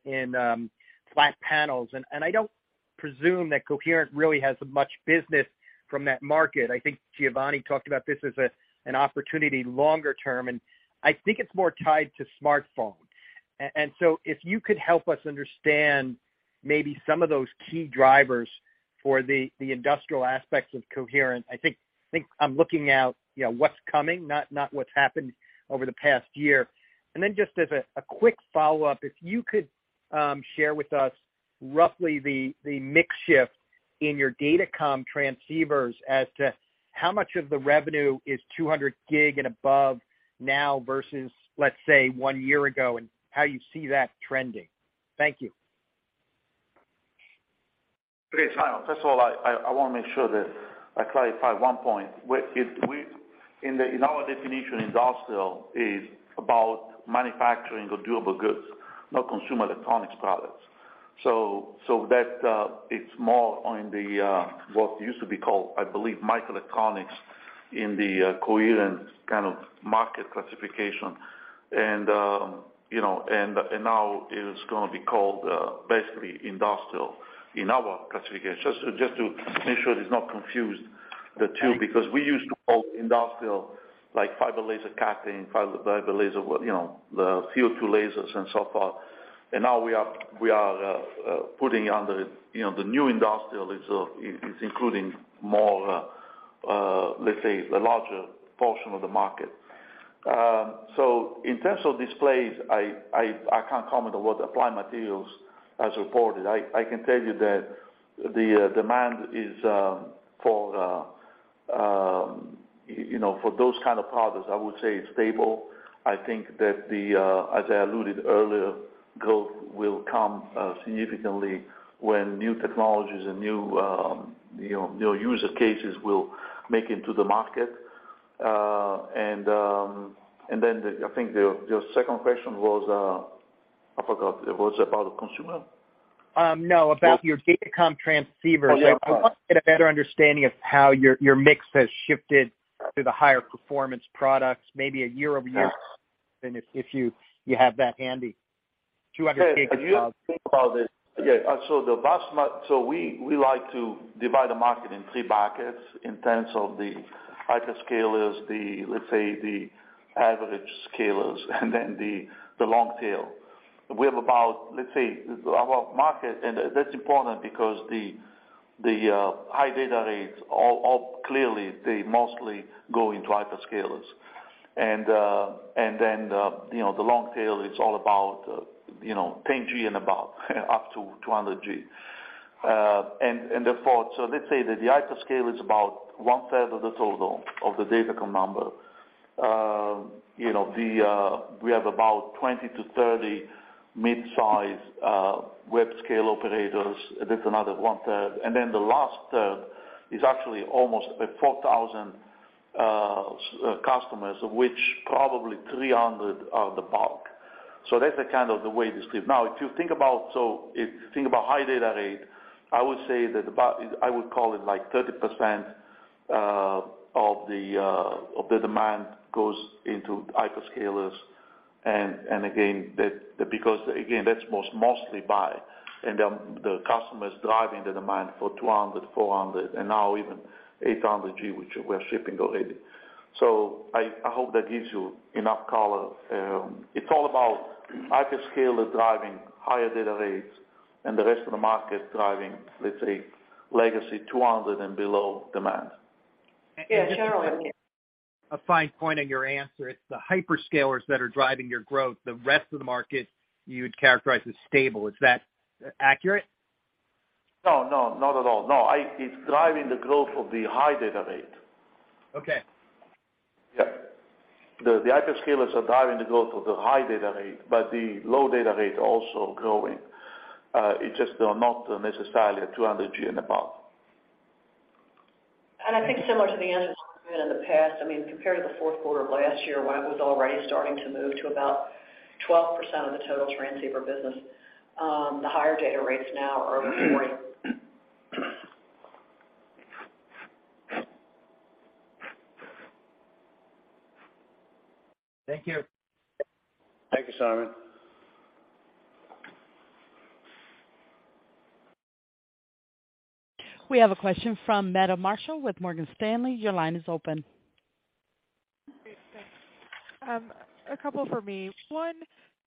flat panels. I don't presume that Coherent really has much business from that market. I think Giovanni talked about this as an opportunity longer term, and I think it's more tied to smartphone. If you could help us understand maybe some of those key drivers for the industrial aspects of Coherent, I think I'm looking at you know what's coming, not what's happened over the past year. Just a quick follow-up, if you could share with us roughly the mix shift in your Datacom transceivers as to how much of the revenue is 200 gig and above now versus, let's say, one year ago, and how you see that trending. Thank you. Okay, Simon, first of all, I wanna make sure that I clarify one point. In our definition, industrial is about manufacturing or durable goods, not consumer electronics products. So that it's more on the what used to be called, I believe, microelectronics in the Coherent kind of market classification. You know, now it is gonna be called basically industrial in our classification. So just to make sure it is not confused the two, because we used to call industrial like fiber laser cutting, fiber laser, you know, the CO2 lasers and so forth. Now we are putting under, you know, the new industrial is including more, let's say the larger portion of the market. In terms of displays, I can't comment on what Applied Materials has reported. I can tell you that the demand is, you know, for those kind of products, I would say it's stable. I think that, as I alluded earlier, growth will come significantly when new technologies and new, you know, new use cases will make it into the market. I think your second question was, I forgot. It was about consumer? No, about your datacom transceivers. Oh, yeah. I want to get a better understanding of how your mix has shifted to the higher performance products, maybe a year-over-year, if you have that handy. 200 gig and above. We like to divide the market in three buckets in terms of the hyperscalers, let's say, the average scalers, and then the long tail. We have about, let's say, our market, and that's important because the high data rates all clearly, they mostly go into hyperscalers. You know, the long tail is all about, you know, 10 G and above, up to 200 G. Let's say that the hyperscale is about 1/3 of the total of the Datacom number. You know, we have about 20-30 mid-size web scale operators. That's another 1/3. The last third is actually almost 4,000 customers, of which probably 300 are the bulk. That's the kind of way this is. Now, if you think about high data rate, I would say that I would call it like 30% of the demand goes into hyperscalers. And again, that's because again, that's mostly by the customers driving the demand for 200, 400, and now even 800G, which we're shipping already. I hope that gives you enough color. It's all about hyperscaler driving higher data rates and the rest of the market driving, let's say, legacy 200 and below demand. Yeah. Generally. A fine point on your answer. It's the hyperscalers that are driving your growth. The rest of the market you would characterize as stable. Is that accurate? No, no, not at all. No. It's driving the growth of the high data rate. Okay. Yeah. The hyperscalers are driving the growth of the high data rate, but the low data rate also growing. It's just they're not necessarily at 200 G and above. I think similar to the answers we've given in the past, I mean, compared to the fourth quarter of last year, when it was already starting to move to about 12% of the total transceiver business, the higher data rates now are over 40%. Thank you. Thank you, Simon. We have a question from Meta Marshall with Morgan Stanley. Your line is open. Great. Thanks. A couple for me. One,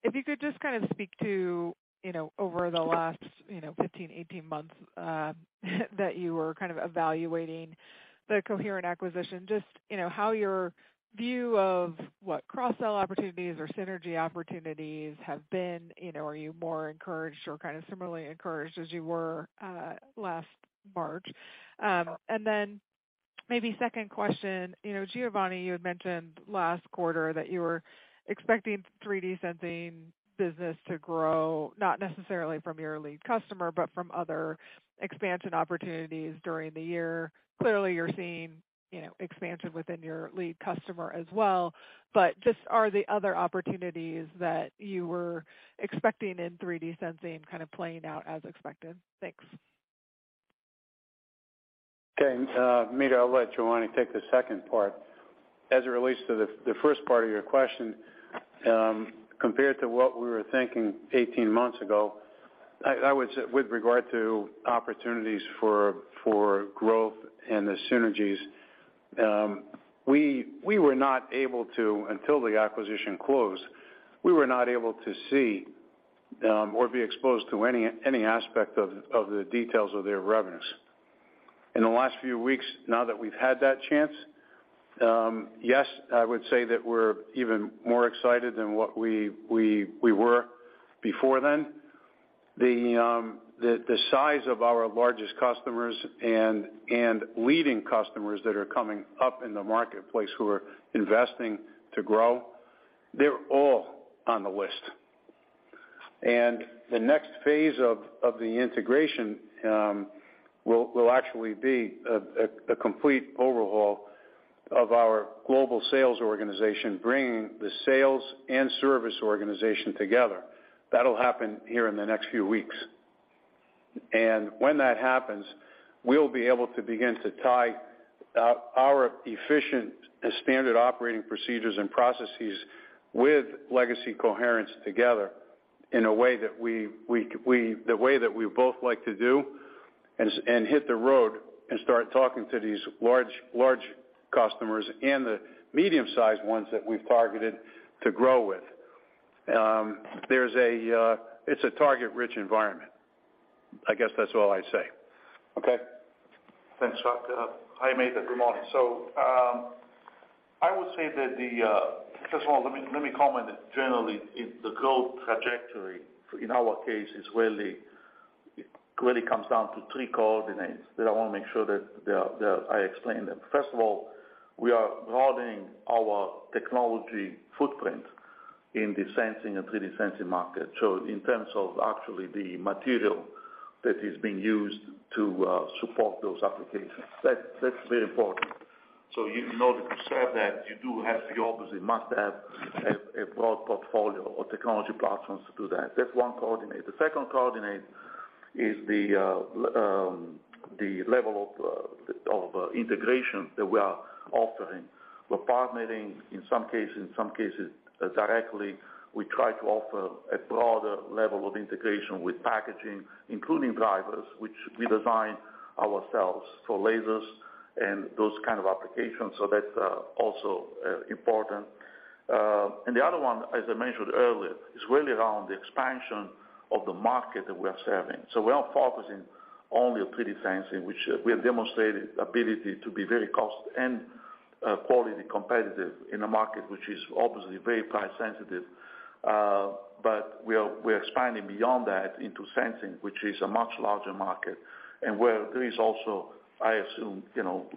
if you could just kind of speak to, you know, over the last, you know, 15, 18 months, that you were kind of evaluating the Coherent acquisition, just, you know, how your view of what cross-sell opportunities or synergy opportunities have been. You know, are you more encouraged or kind of similarly encouraged as you were, last March? Maybe second question, you know, Giovanni, you had mentioned last quarter that you were expecting 3D sensing business to grow, not necessarily from your lead customer, but from other expansion opportunities during the year. Clearly, you're seeing, you know, expansion within your lead customer as well. Just are the other opportunities that you were expecting in 3D sensing kind of playing out as expected? Thanks. Okay. Meta, I'll let Giovanni take the second part. As it relates to the first part of your question, compared to what we were thinking 18 months ago, I would say with regard to opportunities for growth and the synergies, until the acquisition closed, we were not able to see or be exposed to any aspect of the details of their revenues. In the last few weeks, now that we've had that chance, yes, I would say that we're even more excited than what we were before then. The size of our largest customers and leading customers that are coming up in the marketplace who are investing to grow, they're all on the list. The next phase of the integration will actually be a complete overhaul of our global sales organization, bringing the sales and service organization together. That'll happen here in the next few weeks. When that happens, we'll be able to begin to tie our efficient standard operating procedures and processes with legacy Coherent together in a way that we both like to do and hit the road and start talking to these large customers and the medium-sized ones that we've targeted to grow with. It's a target-rich environment. I guess that's all I say. Okay. Thanks, Chuck. Hi, Meta. Good morning. I would say that first of all, let me comment generally. The growth trajectory in our case really comes down to three coordinates that I want to make sure that I explain them. First of all, we are broadening our technology footprint in the sensing and 3D sensing market. In terms of actually the material that is being used to support those applications, that's very important. In order to serve that, you do have to obviously must have a broad portfolio or technology platforms to do that. That's one coordinate. The second coordinate is the level of integration that we are offering. We're partnering in some cases directly. We try to offer a broader level of integration with packaging, including drivers, which we design ourselves for lasers and those kind of applications. That's also important. The other one, as I mentioned earlier, is really around the expansion of the market that we are serving. We are focusing only on 3D sensing, which we have demonstrated ability to be very cost and quality competitive in a market which is obviously very price sensitive. We're expanding beyond that into sensing, which is a much larger market. Where there is also, I assume,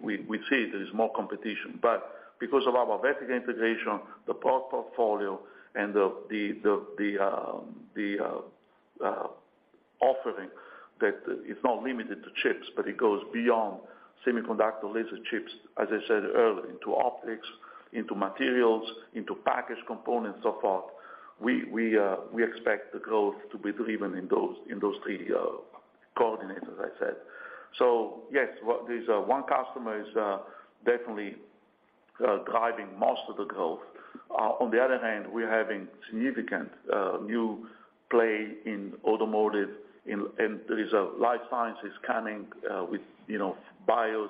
we see there is more competition, but because of our vertical integration, the broad portfolio and the offering that is not limited to chips, but it goes beyond semiconductor laser chips, as I said earlier, into optics, into materials, into package components, and so forth, we expect the growth to be driven in those three coordinates, as I said. Yes, what this one customer is definitely driving most of the growth. On the other hand, we're having significant new play in automotive, and there is life sciences coming with bio,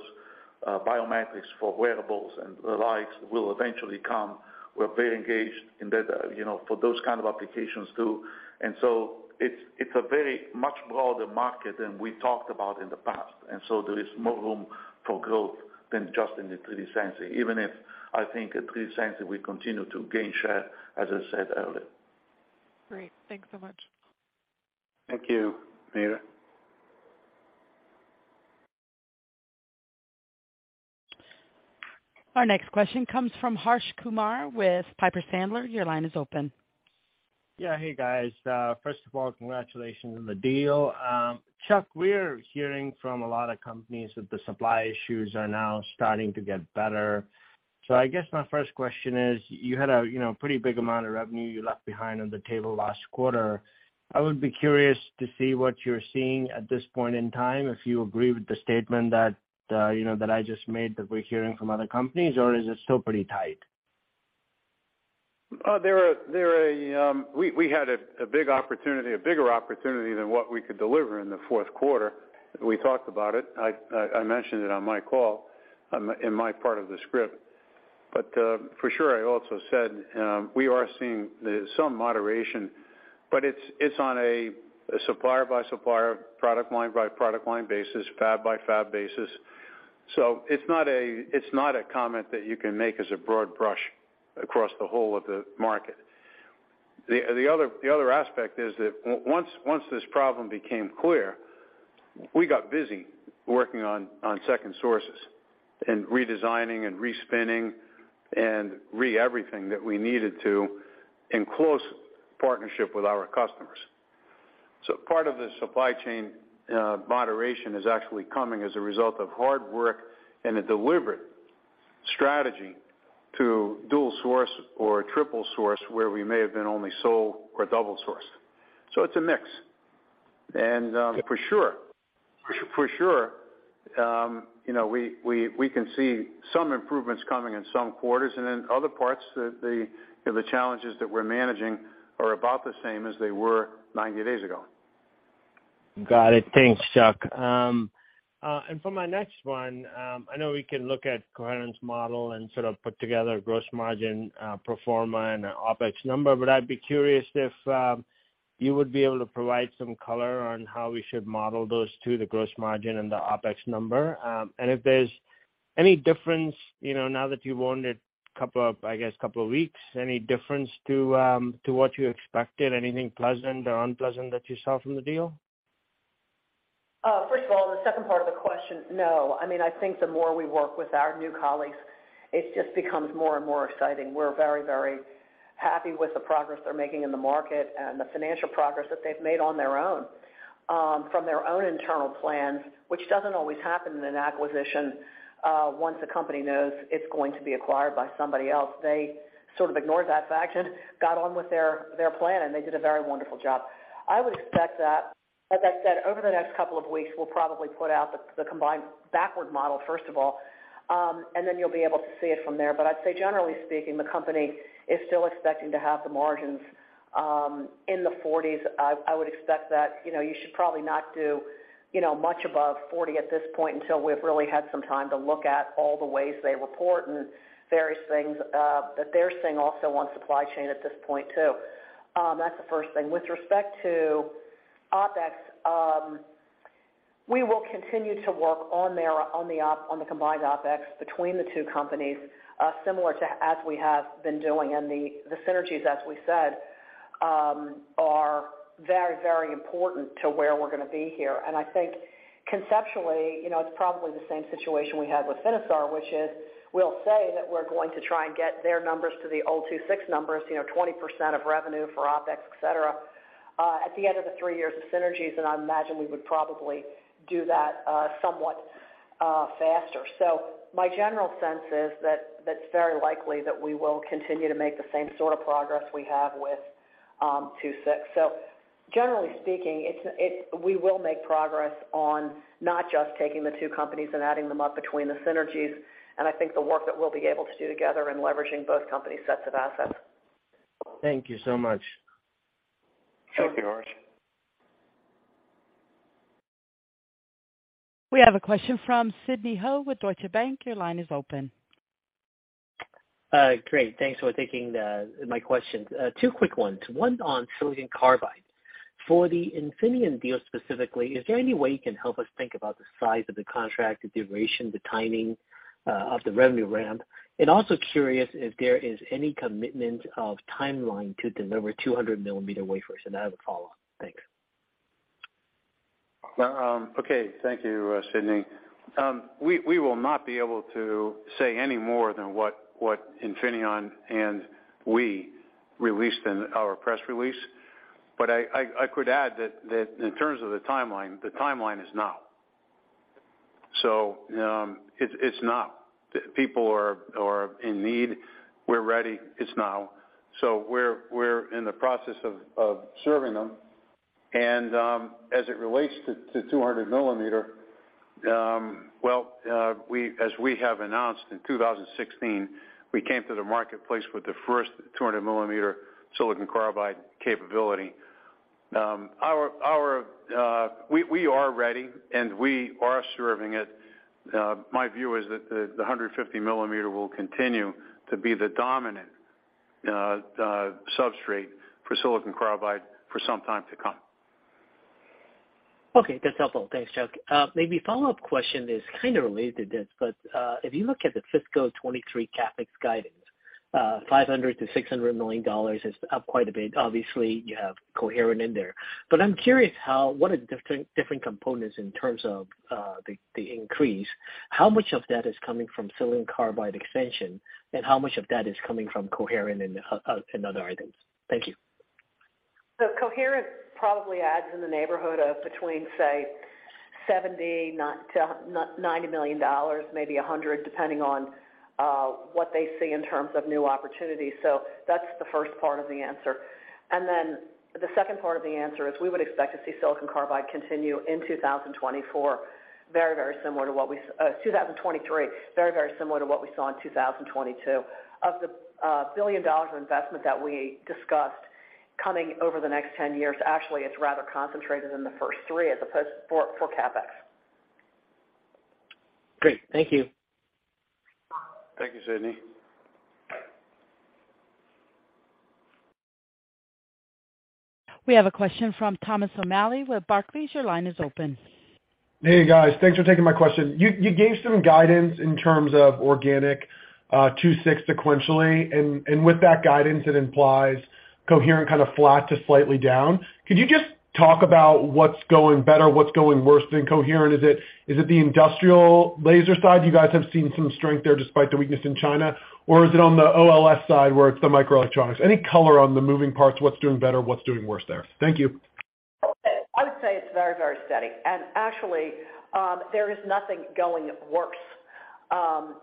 biometrics for wearables and the likes will eventually come. We're very engaged in that for those kind of applications too. It's a very much broader market than we talked about in the past. There is more room for growth than just in the 3D sensing, even if I think at 3D sensing, we continue to gain share, as I said earlier. Great. Thanks so much. Thank you, Meta. Our next question comes from Harsh Kumar with Piper Sandler. Your line is open. Yeah. Hey, guys. First of all, congratulations on the deal. Chuck, we're hearing from a lot of companies that the supply issues are now starting to get better. I guess my first question is, you had a, you know, pretty big amount of revenue you left behind on the table last quarter. I would be curious to see what you're seeing at this point in time, if you agree with the statement that, you know, that I just made, that we're hearing from other companies, or is it still pretty tight? We had a big opportunity, a bigger opportunity than what we could deliver in the fourth quarter. We talked about it. I mentioned it on my call, in my part of the script. For sure, I also said, we are seeing some moderation, but it's on a supplier by supplier, product line by product line basis, fab by fab basis. It's not a comment that you can make as a broad brush across the whole of the market. The other aspect is that once this problem became clear, we got busy working on second sources and redesigning and respinning and re-everything that we needed to in close partnership with our customers. Part of the supply chain moderation is actually coming as a result of hard work and a deliberate strategy to dual source or triple source, where we may have been only sole or double sourced. It's a mix. For sure, you know, we can see some improvements coming in some quarters and in other parts, the challenges that we're managing are about the same as they were 90 days ago. Got it. Thanks, Chuck. For my next one, I know we can look at Coherent's model and sort of put together gross margin, pro forma and an OpEx number, but I'd be curious if you would be able to provide some color on how we should model those two, the gross margin and the OpEx number. If there's any difference, you know, now that you've owned it a couple of weeks, any difference to what you expected, anything pleasant or unpleasant that you saw from the deal? First of all, the second part of the question, no. I mean, I think the more we work with our new colleagues, it just becomes more and more exciting. We're very, very happy with the progress they're making in the market and the financial progress that they've made on their own from their own internal plans, which doesn't always happen in an acquisition. Once a company knows it's going to be acquired by somebody else, they sort of ignore that fact and got on with their plan, and they did a very wonderful job. I would expect that, as I said, over the next couple of weeks, we'll probably put out the combined backward model, first of all, and then you'll be able to see it from there. I'd say generally speaking, the company is still expecting to have the margins in the 40s%. I would expect that, you know, you should probably not do, you know, much above 40% at this point until we've really had some time to look at all the ways they report and various things that they're seeing also on supply chain at this point too. That's the first thing. With respect to OpEx, we will continue to work on the combined OpEx between the two companies, similar to as we have been doing. The synergies, as we said, are very, very important to where we're gonna be here. I think conceptually, you know, it's probably the same situation we had with Finisar, which is, we'll say that we're going to try and get their numbers to the old II-VI numbers, you know, 20% of revenue for OpEx, et cetera, at the end of the three years of synergies, and I imagine we would probably do that somewhat faster. My general sense is that that's very likely that we will continue to make the same sort of progress we have with II-VI. Generally speaking, we will make progress on not just taking the two companies and adding them up between the synergies, and I think the work that we'll be able to do together in leveraging both companies' sets of assets. Thank you so much. Thank you, Harsh. We have a question from Sidney Ho with Deutsche Bank. Your line is open. Great. Thanks for taking my questions. Two quick ones. One on silicon carbide. For the Infineon deal specifically, is there any way you can help us think about the size of the contract, the duration, the timing, of the revenue ramp? Also curious if there is any commitment of timeline to deliver 200 millimeter wafers, and I have a follow-up. Thanks. Well, okay. Thank you, Sydney. We will not be able to say any more than what Infineon and we released in our press release. I could add that in terms of the timeline, the timeline is now. It's now. People are in need. We're ready. It's now. We're in the process of serving them. As it relates to 200 mm, well, as we have announced in 2016, we came to the marketplace with the first 200 mm silicon carbide capability. We are ready, and we are serving it. My view is that the 150 mm will continue to be the dominant substrate for silicon carbide for some time to come. Okay. That's helpful. Thanks, Chuck. Maybe follow-up question is kind of related to this, but if you look at the fiscal 2023 CapEx guidance, $500 million-$600 million is up quite a bit. Obviously, you have Coherent in there. I'm curious what are the different components in terms of the increase. How much of that is coming from silicon carbide expansion, and how much of that is coming from Coherent and other items? Thank you. Coherent probably adds in the neighborhood of between, say, $70 million-$90 million, maybe $100 million, depending on what they see in terms of new opportunities. That's the first part of the answer. The second part of the answer is we would expect to see silicon carbide continue in 2024, very, very similar to what we saw in 2023, very, very similar to what we saw in 2022. Of the $1 billion of investment that we discussed coming over the next 10 years, actually, it's rather concentrated in the first three for CapEx. Great. Thank you. Thank you, Sidney. We have a question from Thomas O'Malley with Barclays. Your line is open. Hey, guys. Thanks for taking my question. You gave some guidance in terms of organic II-VI sequentially. With that guidance, it implies Coherent kind of flat to slightly down. Could you just talk about what's going better, what's going worse in Coherent? Is it the industrial laser side? You guys have seen some strength there despite the weakness in China. Or is it on the OLS side, where it's the microelectronics? Any color on the moving parts, what's doing better, what's doing worse there? Thank you. I would say it's very, very steady. Actually, there is nothing going worse.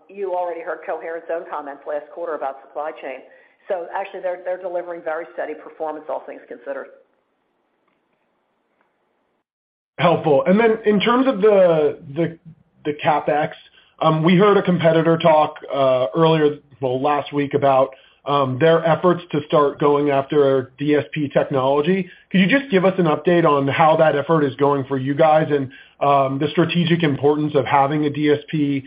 You already heard Coherent's own comments last quarter about supply chain. Actually, they're delivering very steady performance, all things considered. Helpful. Then in terms of the CapEx. We heard a competitor talk earlier, well, last week about their efforts to start going after DSP technology. Could you just give us an update on how that effort is going for you guys and the strategic importance of having a DSP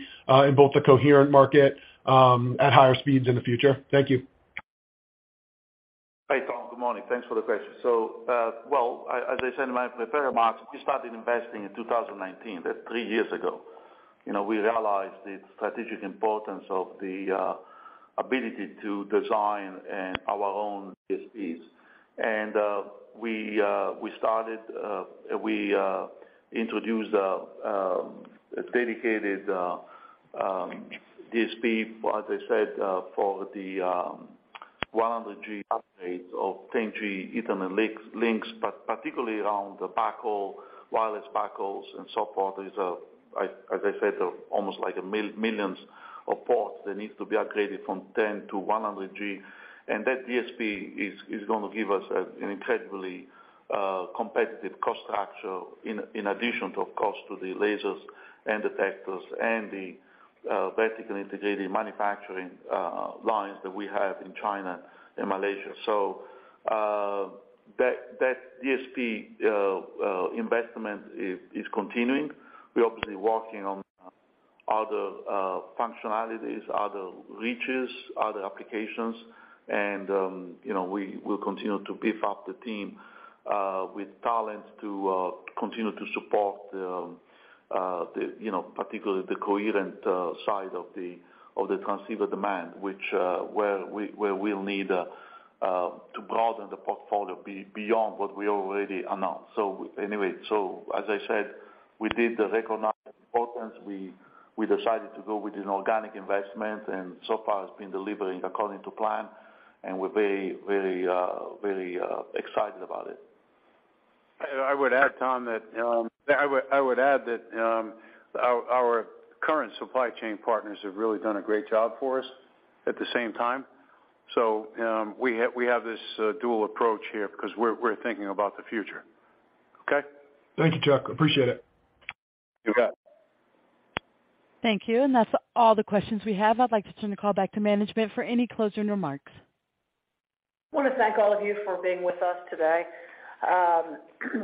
in both the coherent market at higher speeds in the future? Thank you. Hi, Tom. Good morning. Thanks for the question. As I said in my prepared remarks, we started investing in 2019. That's three years ago. You know, we realized the strategic importance of the ability to design our own DSPs. We started, we introduced a dedicated DSP, as I said, for the 100G upgrade of 10G Ethernet links, but particularly around the backhaul, wireless backhauls and so forth. These are, as I said, almost like millions of ports that needs to be upgraded from 10 to 100G. That DSP is going to give us an incredibly competitive cost structure in addition, of course, to the lasers and detectors and the vertically integrated manufacturing lines that we have in China and Malaysia. That DSP investment is continuing. We're obviously working on other functionalities, other reaches, other applications, and you know, we will continue to beef up the team with talent to continue to support the you know, particularly the coherent side of the transceiver demand, which where we'll need to broaden the portfolio beyond what we already announced. Anyway, so as I said, we did recognize the importance. We decided to go with an organic investment, and so far it's been delivering according to plan, and we're very excited about it. I would add, Tom, that our current supply chain partners have really done a great job for us at the same time. We have this dual approach here because we're thinking about the future. Okay? Thank you, Chuck. Appreciate it. You bet. Thank you. That's all the questions we have. I'd like to turn the call back to management for any closing remarks. Want to thank all of you for being with us today.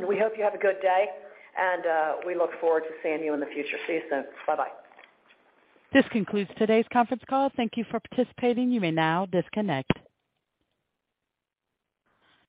We hope you have a good day, and we look forward to seeing you in the future. See you soon. Bye-bye. This concludes today's conference call. Thank you for participating. You may now disconnect.